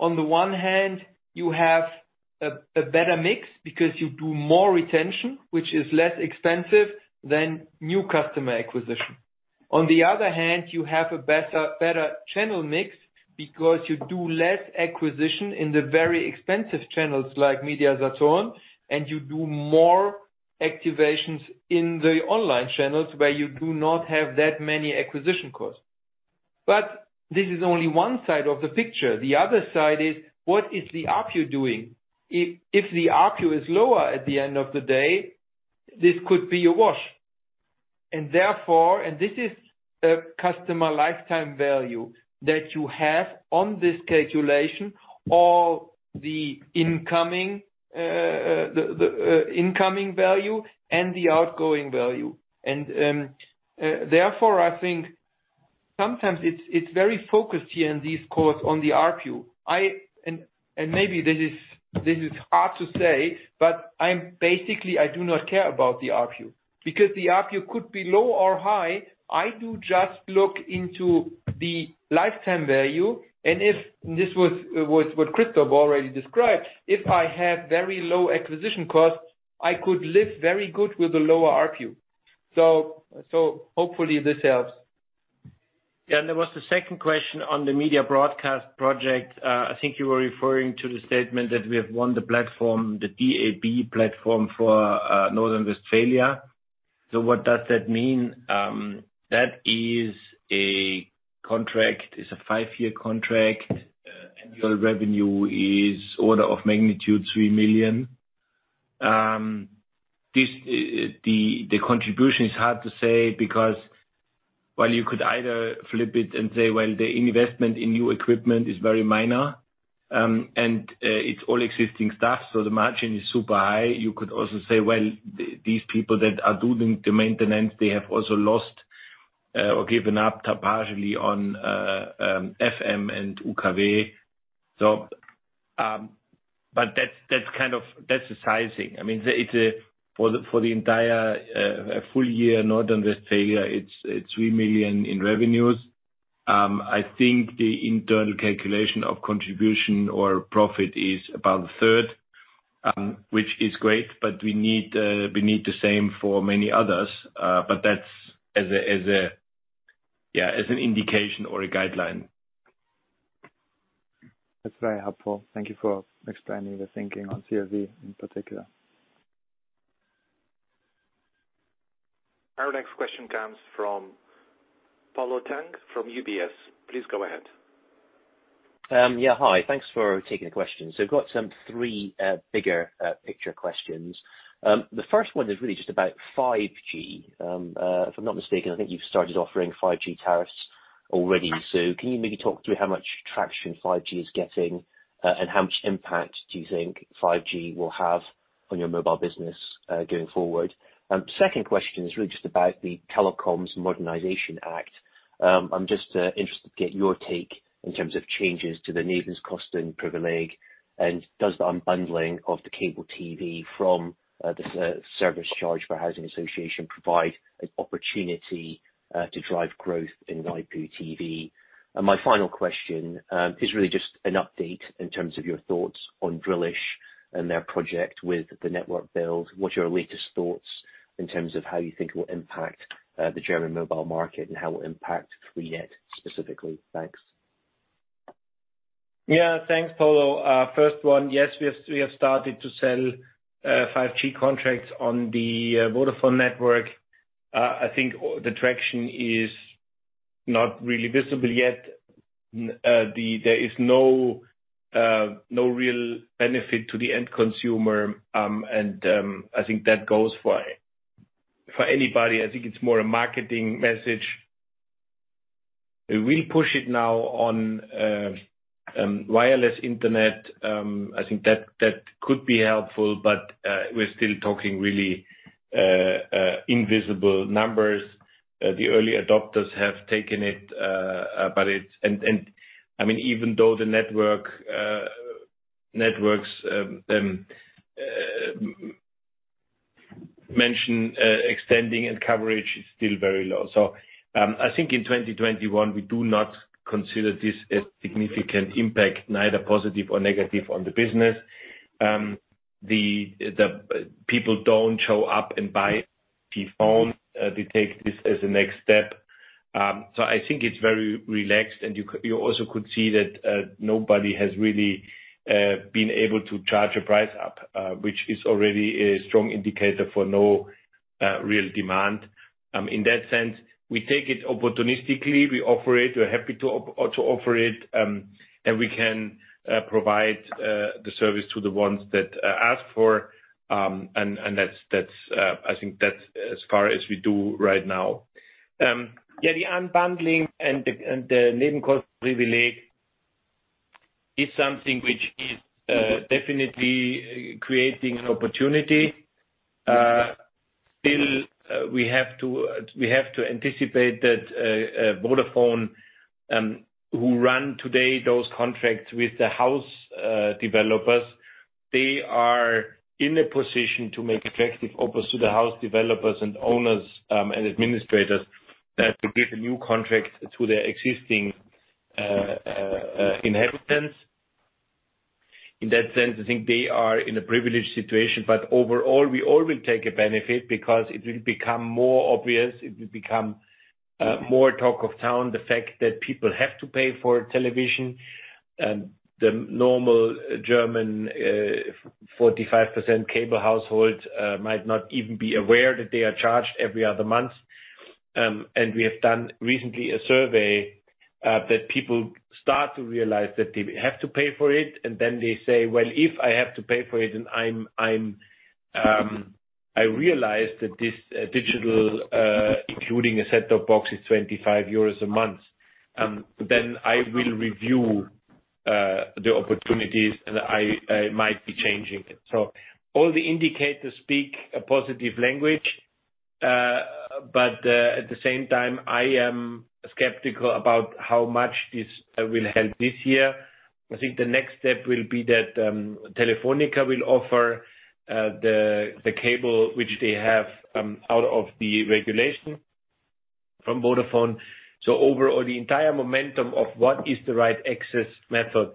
On the one hand, you have a better mix because you do more retention, which is less expensive than new customer acquisition. On the other hand, you have a better channel mix because you do less acquisition in the very expensive channels like MediaMarktSaturn, and you do more activations in the online channels where you do not have that many acquisition costs. This is only one side of the picture. The other side is, what is the ARPU doing? If the ARPU is lower at the end of the day, this could be a wash. Therefore, this is a customer lifetime value that you have on this calculation, all the incoming value and the outgoing value. Therefore, I think sometimes it's very focused here in these calls on the ARPU. Maybe this is hard to say, but basically, I do not care about the ARPU, because the ARPU could be low or high. I do just look into the lifetime value. This was what Christoph already described. If I have very low acquisition costs, I could live very good with a lower ARPU. Hopefully this helps. Yeah. There was the second question on the Media Broadcast project. I think you were referring to the statement that we have won the platform, the DAB platform for North Rhine-Westphalia. What does that mean? That is a contract, is a five-year contract. Annual revenue is order of magnitude 3 million. The contribution is hard to say because while you could either flip it and say, well, the investment in new equipment is very minor, and it's all existing staff, so the margin is super high. You could also say, well, these people that are doing the maintenance, they have also lost, or given up partially on FM and UKW. That's the sizing. I mean, for the entire full year, North Rhine-Westphalia, it's 3 million in revenues. I think the internal calculation of contribution or profit is about a third, which is great, but we need the same for many others. That's as an indication or a guideline. That's very helpful. Thank you for explaining the thinking on CLV in particular. Our next question comes from Polo Tang from UBS. Please go ahead. Hi. Thanks for taking the question. I've got some three bigger picture questions. The first one is really just about 5G. If I'm not mistaken, I think you've started offering 5G tariffs already. Can you maybe talk through how much traction 5G is getting? How much impact do you think 5G will have on your mobile business, going forward? Second question is really just about the Telecommunications Modernization Act. I'm just interested to get your take in terms of changes to the Nebenkostenprivileg, and does the unbundling of the cable TV from the service charge for housing association provide an opportunity to drive growth in IPTV? My final question is really just an update in terms of your thoughts on Drillisch and their project with the network build. What's your latest thoughts in terms of how you think it will impact the German mobile market, and how it will impact freenet specifically? Thanks. Yeah. Thanks, Polo. First one, yes, we have started to sell 5G contracts on the Vodafone network. I think the traction is not really visible yet. There is no real benefit to the end consumer, I think that goes for anybody. I think it's more a marketing message. We'll push it now on wireless internet. I think that could be helpful, we're still talking really invisible numbers. The early adopters have taken it. Even though the networks mention extending and coverage is still very low. I think in 2021, we do not consider this a significant impact, neither positive or negative on the business. The people don't show up and buy the phone. They take this as the next step. I think it's very relaxed, and you also could see that nobody has really been able to charge a price up, which is already a strong indicator for no real demand. In that sense, we take it opportunistically. We offer it. We're happy to offer it, and we can provide the service to the ones that ask for. I think that's as far as we do right now. The unbundling and the Nebenkostenprivileg is something which is definitely creating an opportunity. Still, we have to anticipate that Vodafone, who run today those contracts with the house developers. They are in a position to make attractive offers to the house developers and owners, and administrators, to give a new contract to their existing inhabitants. In that sense, I think they are in a privileged situation. Overall, we all will take a benefit because it will become more obvious, it will become more talk of town, the fact that people have to pay for television. The normal German 45% cable household might not even be aware that they are charged every other month. We have done recently a survey that people start to realize that they have to pay for it, and then they say, "Well, if I have to pay for it, and I realize that this digital, including a set-top box, is 25 euros a month, then I will review the opportunities and I might be changing it." All the indicators speak a positive language. At the same time, I am skeptical about how much this will help this year. I think the next step will be that Telefónica will offer the cable which they have out of the regulation from Vodafone. Overall, the entire momentum of what is the right access method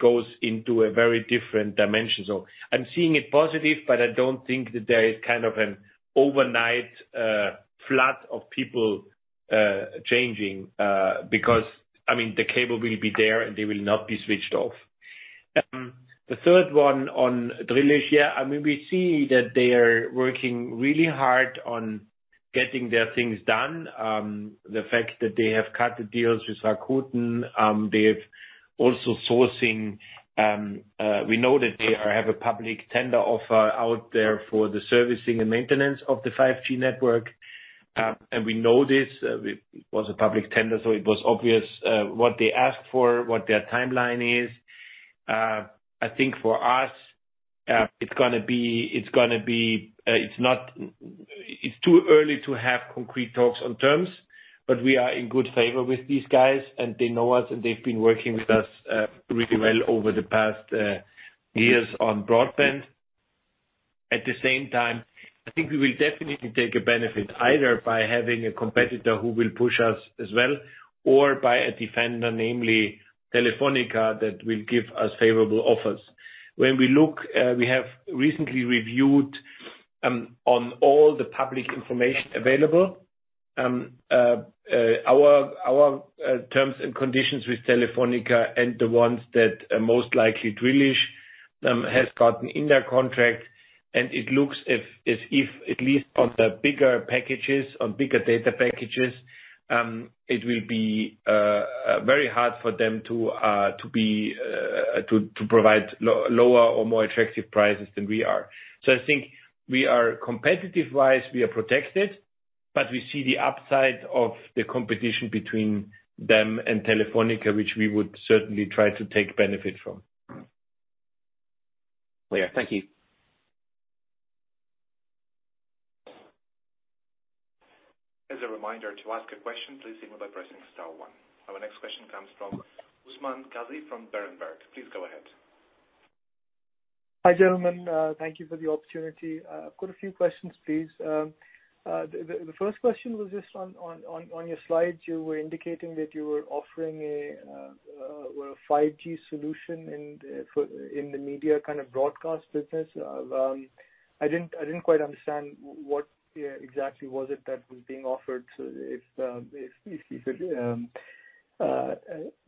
goes into a very different dimension. I'm seeing it positive, but I don't think that there is an overnight flood of people changing. I mean, the cable will be there, and they will not be switched off. The third one on Drillisch. We see that they are working really hard on getting their things done. The fact that they have cut the deals with Rakuten. We know that they have a public tender offer out there for the servicing and maintenance of the 5G network. We know this. It was a public tender, so it was obvious what they asked for, what their timeline is. I think for us, it's too early to have concrete talks on terms. We are in good favor with these guys and they know us, and they've been working with us really well over the past years on broadband. At the same time, I think we will definitely take a benefit, either by having a competitor who will push us as well, or by a defender, namely Telefónica, that will give us favorable offers. When we look, we have recently reviewed on all the public information available. Our terms and conditions with Telefónica and the ones that most likely Drillisch has gotten in their contract, and it looks as if at least on the bigger packages, on bigger data packages, it will be very hard for them to provide lower or more attractive prices than we are. I think competitive-wise, we are protected, but we see the upside of the competition between them and Telefónica, which we would certainly try to take benefit from. Clear. Thank you. As a reminder, to ask a question, please signal by pressing star one. Our next question comes from Usman Ghazi from Berenberg. Please go ahead. Hi, gentlemen. Thank you for the opportunity. I've got a few questions, please. The first question was just on your slide, you were indicating that you were offering a 5G solution in the Media Broadcast business. I didn't quite understand what exactly was it that was being offered. If you could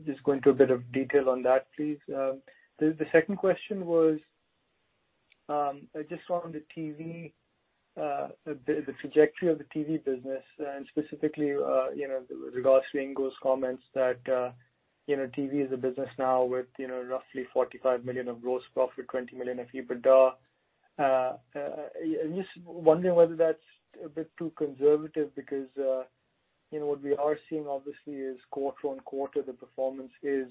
just go into a bit of detail on that, please. The second question was, I just saw on the TV, the trajectory of the TV business, and specifically, regards to Ingo's comments that TV is a business now with roughly 45 million of gross profit, 20 million of EBITDA. I'm just wondering whether that's a bit too conservative because, what we are seeing obviously is quarter-on-quarter, the performance is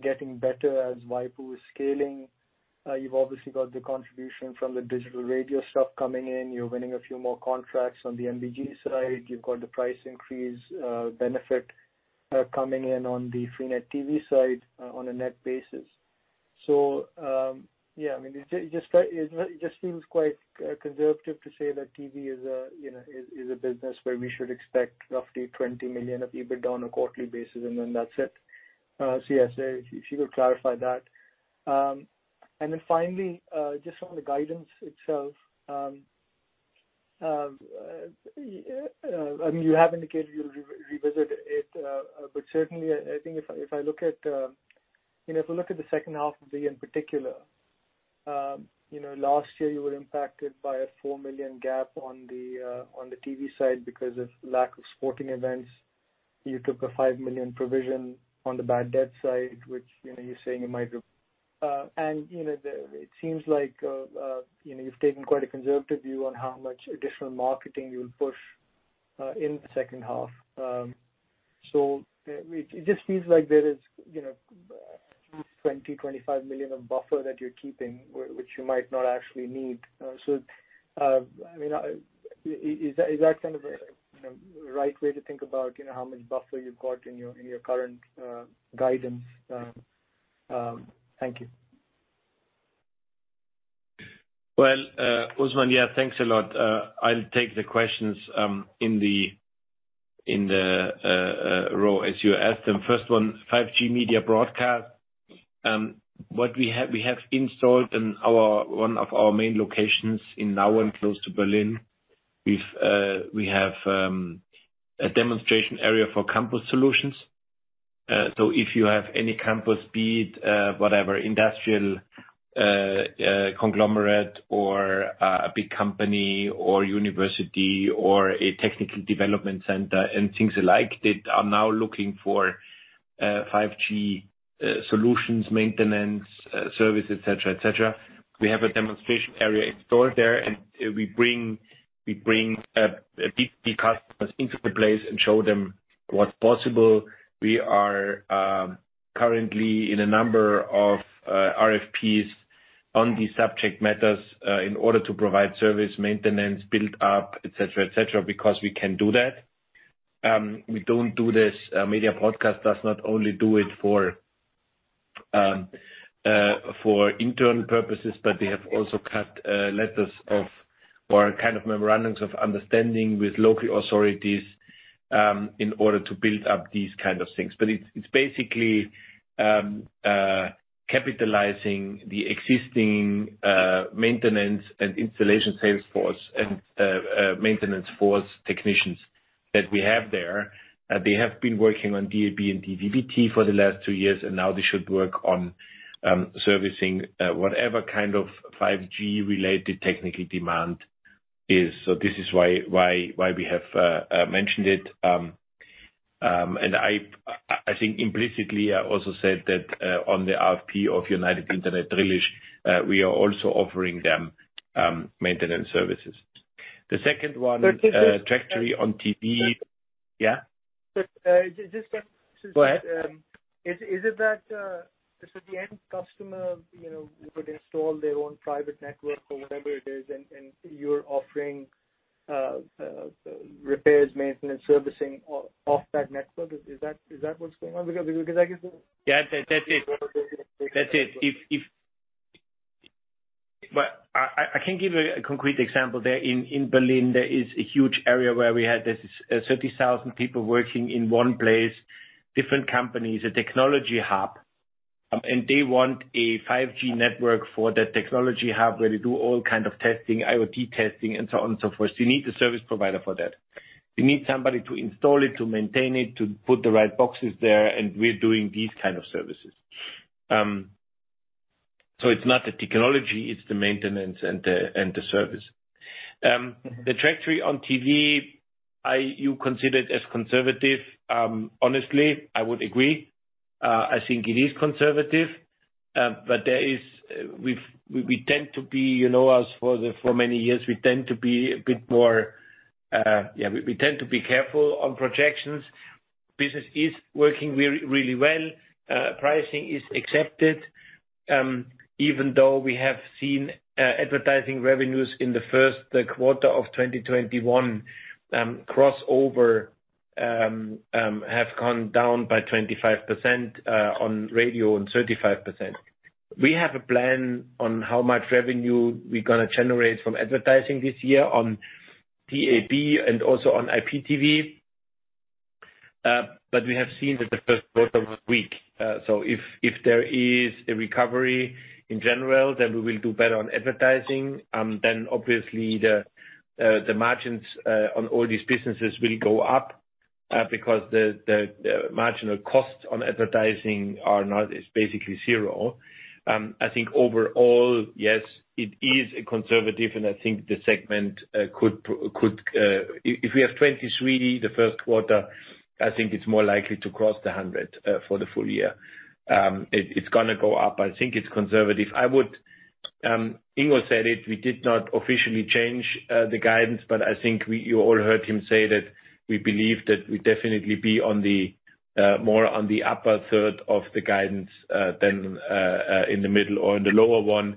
getting better as Waipu is scaling. You've obviously got the contribution from the digital radio stuff coming in. You're winning a few more contracts on the NBG side. You've got the price increase benefit coming in on the freenet TV side on a net basis. It just seems quite conservative to say that TV is a business where we should expect roughly 20 million of EBITDA on a quarterly basis and then that's it. If you could clarify that. Finally, just on the guidance itself. Certainly, I think if I look at the second half of the year in particular. Last year you were impacted by a 4 million gap on the TV side because of lack of sporting events. You took a 5 million provision on the bad debt side, which you're saying you might have. It seems like you've taken quite a conservative view on how much additional marketing you'll push in the second half. It just feels like there is 20 million-25 million of buffer that you're keeping, which you might not actually need. Is that kind of the right way to think about how much buffer you've got in your current guidance? Thank you. Well, Usman, yeah, thanks a lot. I'll take the questions in the row as you asked them. First one, 5G Media Broadcast. What we have installed in one of our main locations in Nauen, close to Berlin, we have a demonstration area for campus solutions. If you have any campus need, whatever, industrial conglomerate or a big company or university or a technical development center and things alike, that are now looking for 5G solutions, maintenance, service, et cetera. We have a demonstration area installed there and we bring big customers into the place and show them what's possible. We are currently in a number of RFPs on these subject matters in order to provide service, maintenance, build-up, et cetera, because we can do that. We don't do this, Media Broadcast does not only do it for internal purposes, but they have also cut letters of, or memorandums of understanding with local authorities in order to build up these kind of things. It's basically capitalizing the existing maintenance and installation sales force and maintenance force technicians that we have there. They have been working on DAB and DVB-T for the last two years, and now they should work on servicing whatever kind of 5G-related technical demand is. So this is why we have mentioned it. I think implicitly, I also said that on the RFP of United Internet Drillisch, we are also offering them maintenance services. But is this- Trajectory on TV. Yeah. But just- Go ahead. Is it that the end customer would install their own private network or whatever it is, and you're offering repairs, maintenance, servicing off that network? Is that what's going on? Yeah, that's it. I can give you a concrete example there. In Berlin, there is a huge area where we had this 30,000 people working in one place, different companies, a technology hub. They want a 5G network for that technology hub where they do all kind of testing, IoT testing, and so on and so forth. You need a service provider for that. You need somebody to install it, to maintain it, to put the right boxes there, and we're doing these kind of services. It's not the technology, it's the maintenance and the service. The trajectory on TV, you consider it as conservative. Honestly, I would agree. I think it is conservative. We tend to be, you know us, for many years, we tend to be careful on projections. Business is working really well. Pricing is accepted, even though we have seen advertising revenues in the first quarter of 2021 crossover have gone down by 25% on radio, and 35%. We have a plan on how much revenue we're going to generate from advertising this year on DAB and also on IPTV. We have seen that the first quarter was weak. If there is a recovery in general, then we will do better on advertising. Obviously, the margins on all these businesses will go up because the marginal costs on advertising is basically zero. I think overall, yes, it is conservative, and I think the segment. If we have 23 the first quarter, I think it's more likely to cross the 100 for the full year. It's going to go up. I think it's conservative. Ingo said it, we did not officially change the guidance, but I think you all heard him say that we believe that we'd definitely be more on the upper third of the guidance than in the middle or in the lower one.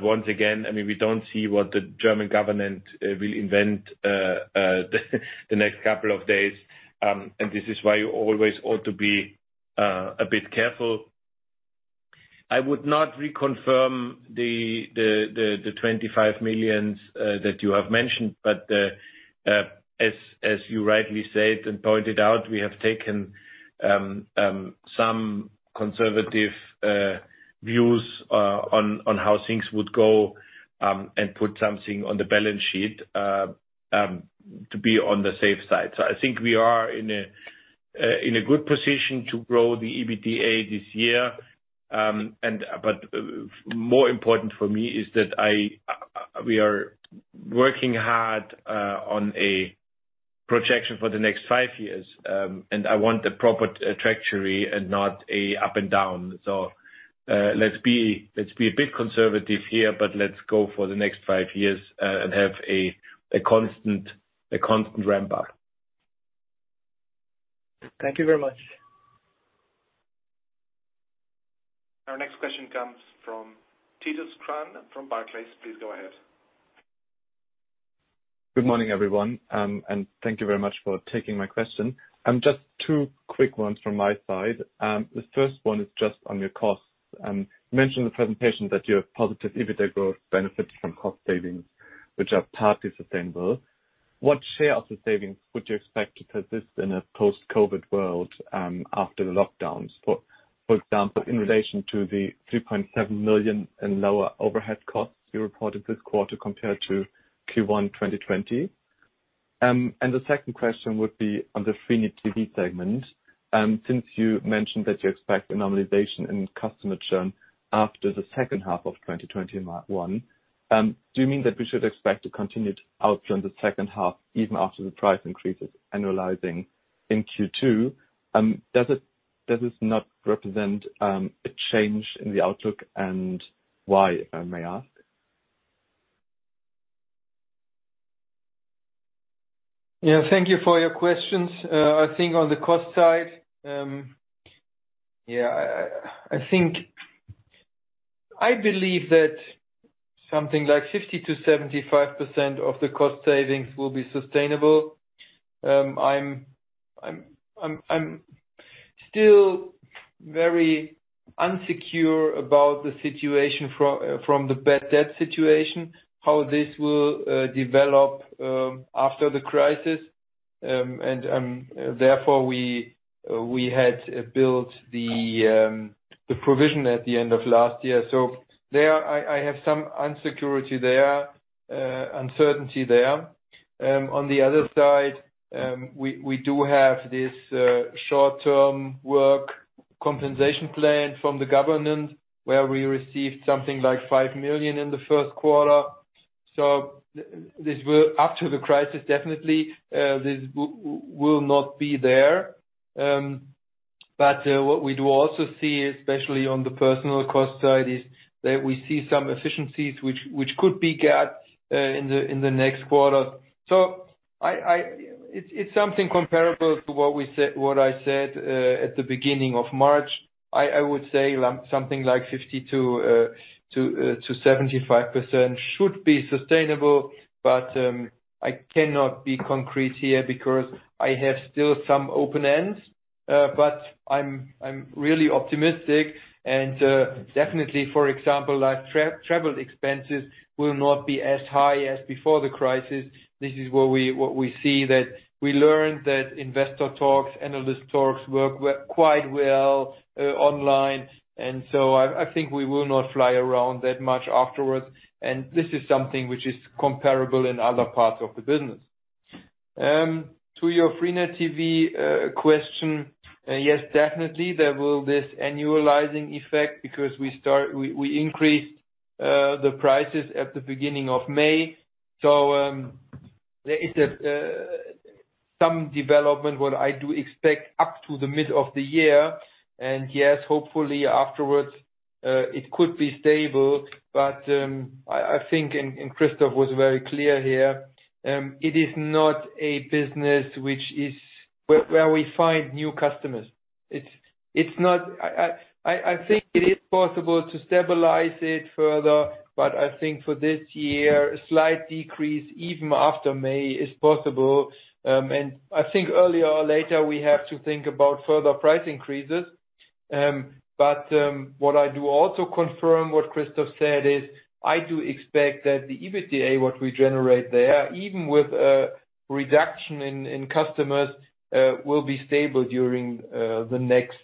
Once again, we don't see what the German government will invent the next couple of days. This is why you always ought to be a bit careful. I would not reconfirm the 25 million that you have mentioned. As you rightly said and pointed out, we have taken some conservative views on how things would go, and put something on the balance sheet to be on the safe side. I think we are in a good position to grow the EBITDA this year. More important for me is that we are working hard on a projection for the next five years, and I want a proper trajectory and not a up and down. Let's be a bit conservative here, but let's go for the next five years and have a constant ramp up. Thank you very much. Our next question comes from Titus Krahn from Barclays. Please go ahead. Good morning, everyone, and thank you very much for taking my question. Just two quick ones from my side. The first one is just on your costs. You mentioned in the presentation that you have positive EBITDA growth benefiting from cost savings, which are partly sustainable. What share of the savings would you expect to persist in a post-COVID world after the lockdowns? For example, in relation to the 3.7 million in lower overhead costs you reported this quarter compared to Q1 2020. The second question would be on the freenet TV segment. Since you mentioned that you expect a normalization in customer churn after the second half of 2021, do you mean that we should expect a continued outflow in the second half even after the price increases annualizing in Q2? Does this not represent a change in the outlook, and why, if I may ask? Thank you for your questions. On the cost side, I believe that something like 50%-75% of the cost savings will be sustainable. I'm still very unsecure about the situation from the bad debt situation, how this will develop after the crisis. Therefore we had built the provision at the end of last year. There, I have some unsecurity there, uncertainty there. On the other side, we do have this short-term work compensation plan from the government where we received something like 5 million in the first quarter. After the crisis, definitely, this will not be there. What we do also see, especially on the personal cost side, is that we see some efficiencies which could be gaps in the next quarter. It's something comparable to what I said at the beginning of March. I would say something like 50%-75% should be sustainable, I cannot be concrete here because I have still some open ends. I am really optimistic and definitely, for example, travel expenses will not be as high as before the crisis. This is what we see, that we learned that investor talks, analyst talks work quite well online. I think we will not fly around that much afterwards. This is something which is comparable in other parts of the business. To your freenet TV question, yes, definitely, there will this annualizing effect because we increased the prices at the beginning of May. There is some development, what I do expect up to the mid of the year, yes, hopefully afterwards. It could be stable, but I think, and Christoph was very clear here, it is not a business where we find new customers. I think it is possible to stabilize it further, but I think for this year, a slight decrease even after May is possible. I think earlier or later, we have to think about further price increases. What I do also confirm what Christoph said is, I do expect that the EBITDA, what we generate there, even with a reduction in customers, will be stable during the next,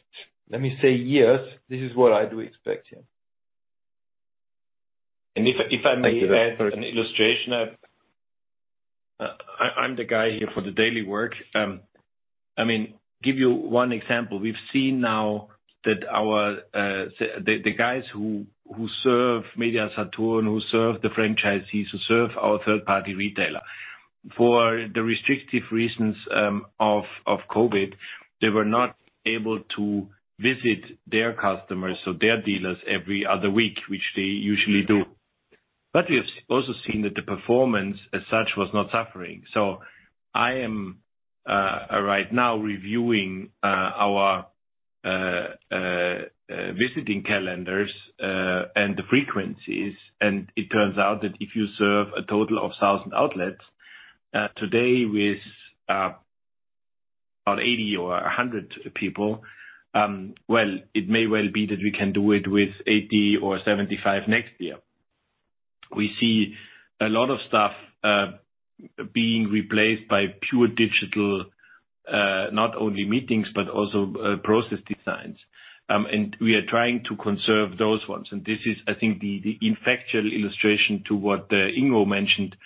let me say, years. This is what I do expect, yeah. If I may add an illustration. I am the guy here for the daily work. Give you one example. We have seen now that the guys who serve MediaMarktSaturn, who serve the franchisees, who serve our third-party retailer, for the restrictive reasons of COVID, they were not able to visit their customers or their dealers every other week, which they usually do. We have also seen that the performance as such was not suffering. I am right now reviewing our visiting calendars, and the frequencies, and it turns out that if you serve a total of 1,000 outlets, today with about 80 or 100 people, well, it may well be that we can do it with 80 or 75 next year. We see a lot of stuff being replaced by pure digital, not only meetings, but also process designs. We are trying to conserve those ones. This is, I think, the factual illustration to what Ingo mentioned,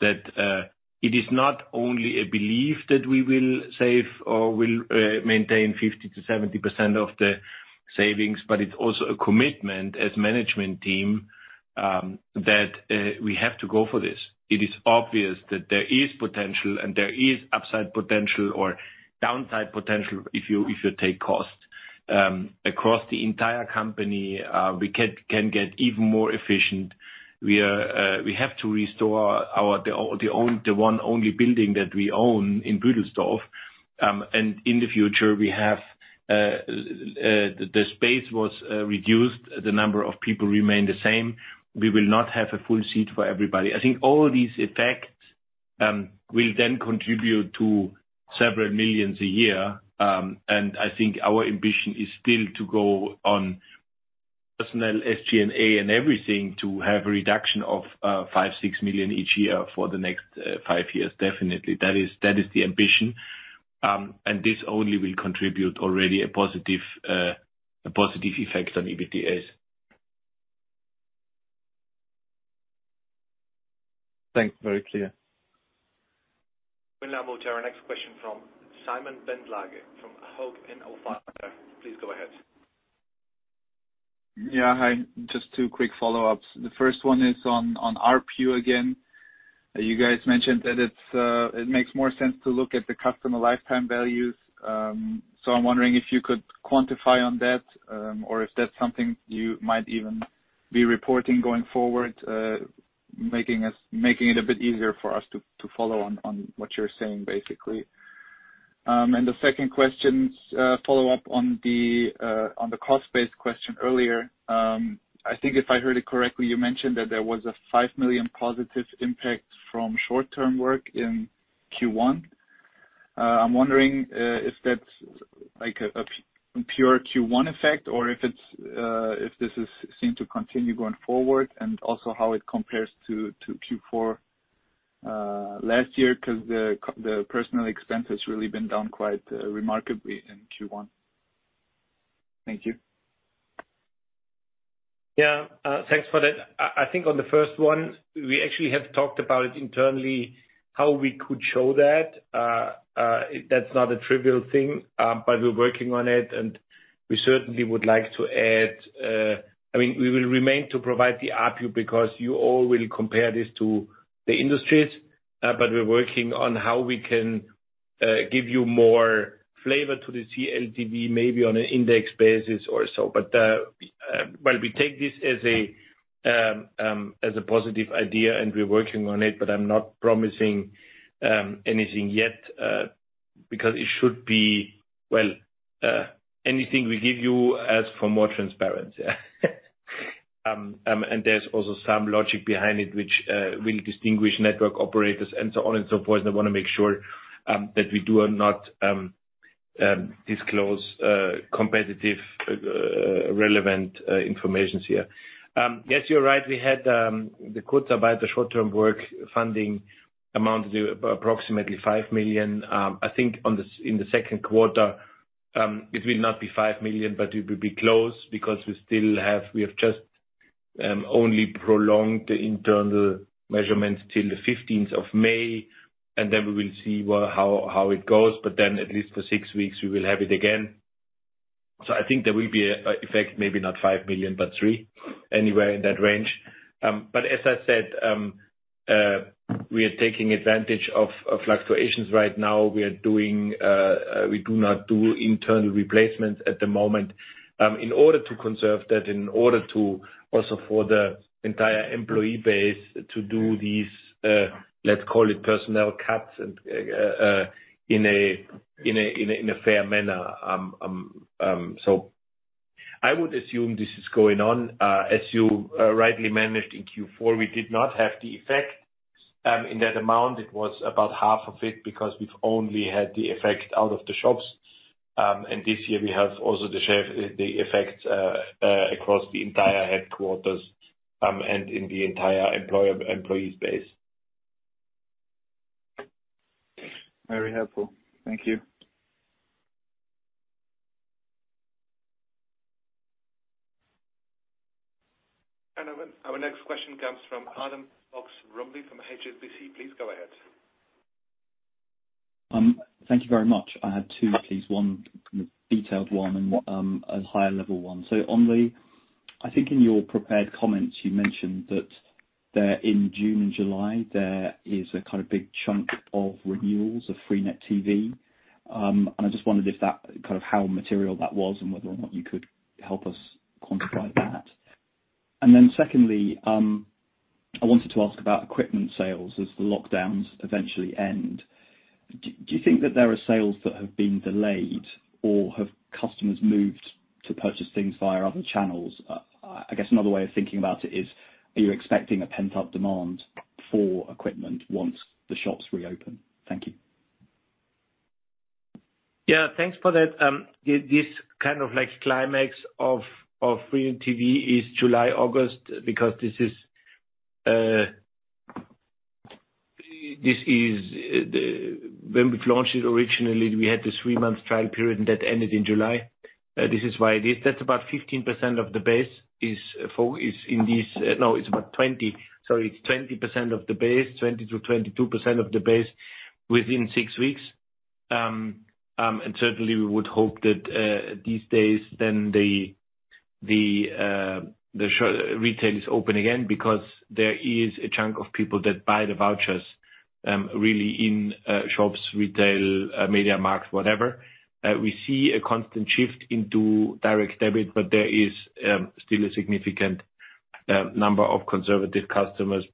that it is not only a belief that we will save or will maintain 50%-70% of the savings, but it's also a commitment as management team that we have to go for this. It is obvious that there is potential and there is upside potential or downside potential if you take costs. Across the entire company, we can get even more efficient. We have to restore the one only building that we own in Büdelsdorf. In the future, the space was reduced. The number of people remained the same. We will not have a full seat for everybody. I think all these effects will then contribute to several million EUR a year. I think our ambition is still to go on personnel, SG&A, and everything to have a reduction of 5 million-6 million each year for the next five years, definitely. That is the ambition. This only will contribute already a positive effect on EBITDA. Thanks. Very clear. We'll now move to our next question from Simon Stippig from Warburg Research. Please go ahead. Yeah, hi. Just two quick follow-ups. The first one is on ARPU again. You guys mentioned that it makes more sense to look at the customer lifetime values. I'm wondering if you could quantify on that, or if that's something you might even be reporting going forward, making it a bit easier for us to follow on what you're saying, basically. The second question's a follow-up on the cost-based question earlier. I think if I heard it correctly, you mentioned that there was a 5 million positive impact from short-term work in Q1. I'm wondering if that's a pure Q1 effect or if this is seen to continue going forward, and also how it compares to Q4 last year, because the personnel expense has really been down quite remarkably in Q1. Thank you. Yeah. Thanks for that. I think on the first one, we actually have talked about it internally, how we could show that. That's not a trivial thing, but we're working on it, and we certainly would like to add. We will remain to provide the ARPU because you all will compare this to the industries. We're working on how we can give you more flavor to the CLTV, maybe on an index basis or so. We take this as a positive idea, and we're working on it, but I'm not promising anything yet. It should be, well, anything we give you, ask for more transparency. There's also some logic behind it, which will distinguish network operators and so on and so forth. I want to make sure that we do not disclose competitive relevant information here. Yes, you're right. We had the Kurzarbeit, the short-term work funding amounted to approximately 5 million. I think in the second quarter, it will not be 5 million, but it will be close because we have just only prolonged the internal measurements till the May 15th, and then we will see how it goes. At least for six weeks, we will have it again. I think there will be a effect, maybe not 5 million, but 3 million. Anywhere in that range. As I said, we are taking advantage of fluctuations right now. We do not do internal replacements at the moment in order to conserve that, in order to also for the entire employee base to do these, let's call it personnel cuts, in a fair manner. I would assume this is going on. As you rightly managed in Q4, we did not have the effect in that amount. It was about half of it because we've only had the effect out of the shops. This year we have also the effects across the entire headquarters and in the entire employee base. Very helpful. Thank you. Our next question comes from Adam Fox-Rumley from HSBC. Please go ahead. Thank you very much. I had two, please. One detailed one and a higher level one. Only, I think in your prepared comments, you mentioned that in June and July, there is a big chunk of renewals of freenet TV. I just wondered how material that was and whether or not you could help us quantify that. Secondly, I wanted to ask about equipment sales as the lockdowns eventually end. Do you think that there are sales that have been delayed or have customers moved to purchase things via other channels? I guess another way of thinking about it is, are you expecting a pent-up demand for equipment once the shops reopen? Thank you. Yeah, thanks for that. This climax of freenet TV is July, August, because when we've launched it originally, we had this three-month trial period, and that ended in July. This is why this. That's about 15% of the base. No, it's about 20. Sorry, it's 20% of the base, 20%-22% of the base within six weeks. Certainly, we would hope that these days then the retail is open again because there is a chunk of people that buy the vouchers, really in shops, retail, MediaMarkt, whatever. We see a constant shift into direct debit, but there is still a significant number of conservative customers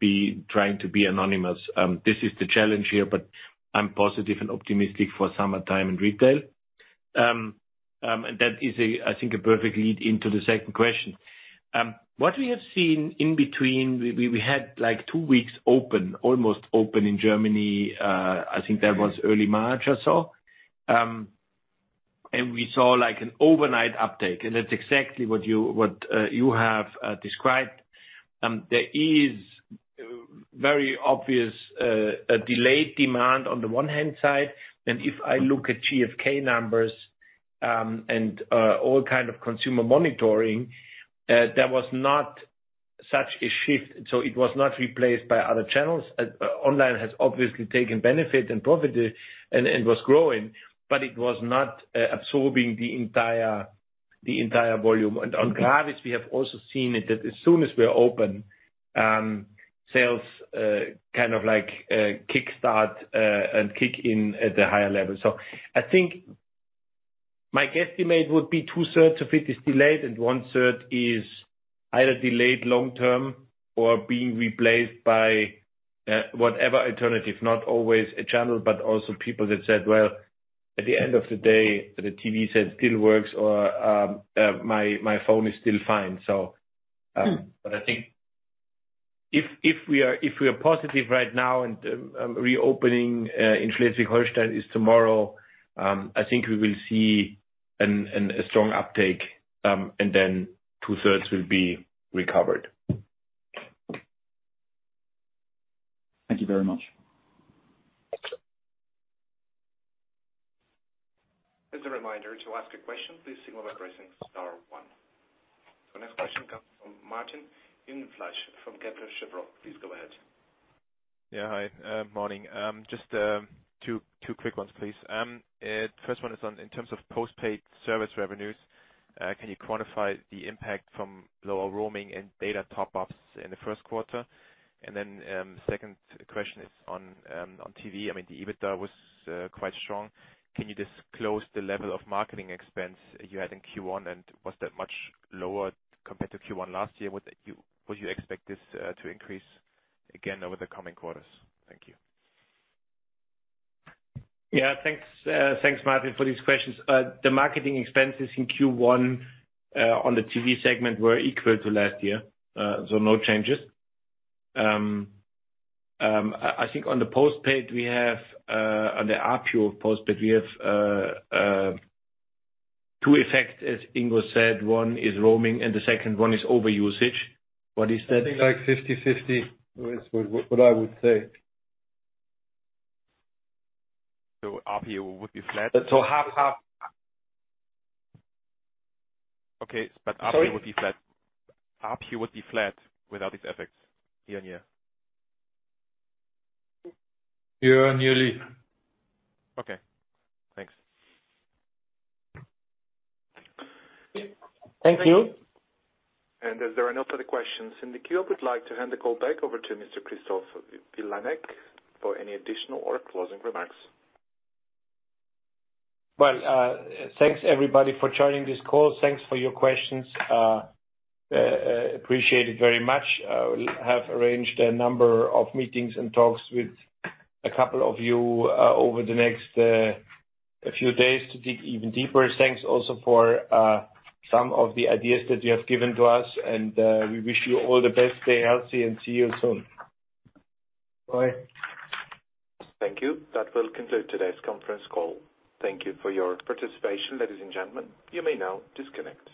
trying to be anonymous. This is the challenge here, but I'm positive and optimistic for summertime and retail. That is, I think, a perfect lead into the second question. What we have seen in between, we had two weeks open, almost open in Germany. I think that was early March or so. We saw an overnight uptake, and that's exactly what you have described. If I look at GfK numbers, and all kind of consumer monitoring, there was not such a shift. It was not replaced by other channels. Online has obviously taken benefit and profit and was growing, but it was not absorbing the entire volume. On GRAVIS, we have also seen it, that as soon as we're open, sales kick-start, and kick in at the higher level. I think my guesstimate would be two-thirds of it is delayed and one-third is either delayed long-term or being replaced by whatever alternative, not always a channel, but also people that said, "Well, at the end of the day, the TV set still works," or, "My phone is still fine." I think if we are positive right now and reopening in Schleswig-Holstein is tomorrow, I think we will see a strong uptake, and then two-thirds will be recovered. Thank you very much. As a reminder, to ask a question, please signal by pressing star one. The next question comes from Martin Jungfleisch from Kepler Cheuvreux. Please go ahead. Yeah. Hi. Morning. Just two quick ones, please. First one is on, in terms of postpaid service revenues, can you quantify the impact from lower roaming and data top-ups in the first quarter? Second question is on TV. The EBITDA was quite strong. Can you disclose the level of marketing expense you had in Q1, and was that much lower compared to Q1 last year? Would you expect this to increase again over the coming quarters? Thank you. Yeah, thanks. Thanks, Martin, for these questions. The marketing expenses in Q1 on the TV segment were equal to last year. No changes. I think on the ARPU postpaid, we have two effects, as Ingo said. One is roaming, and the second one is overusage. What is that? I think 50/50 is what I would say. ARPU would be flat? half-half. Okay. ARPU would be flat. ARPU would be flat without these effects year-on-year? Year-over-year. Okay. Thanks. Thank you. As there are no further questions in the queue, I would like to hand the call back over to Mr. Christoph Vilanek for any additional or closing remarks. Well, thanks, everybody, for joining this call. Thanks for your questions. Appreciate it very much. We have arranged a number of meetings and talks with a couple of you over the next few days to dig even deeper. Thanks also for some of the ideas that you have given to us, and we wish you all the best, stay healthy, and see you soon. Bye. Thank you. That will conclude today's conference call. Thank you for your participation, ladies and gentlemen. You may now disconnect.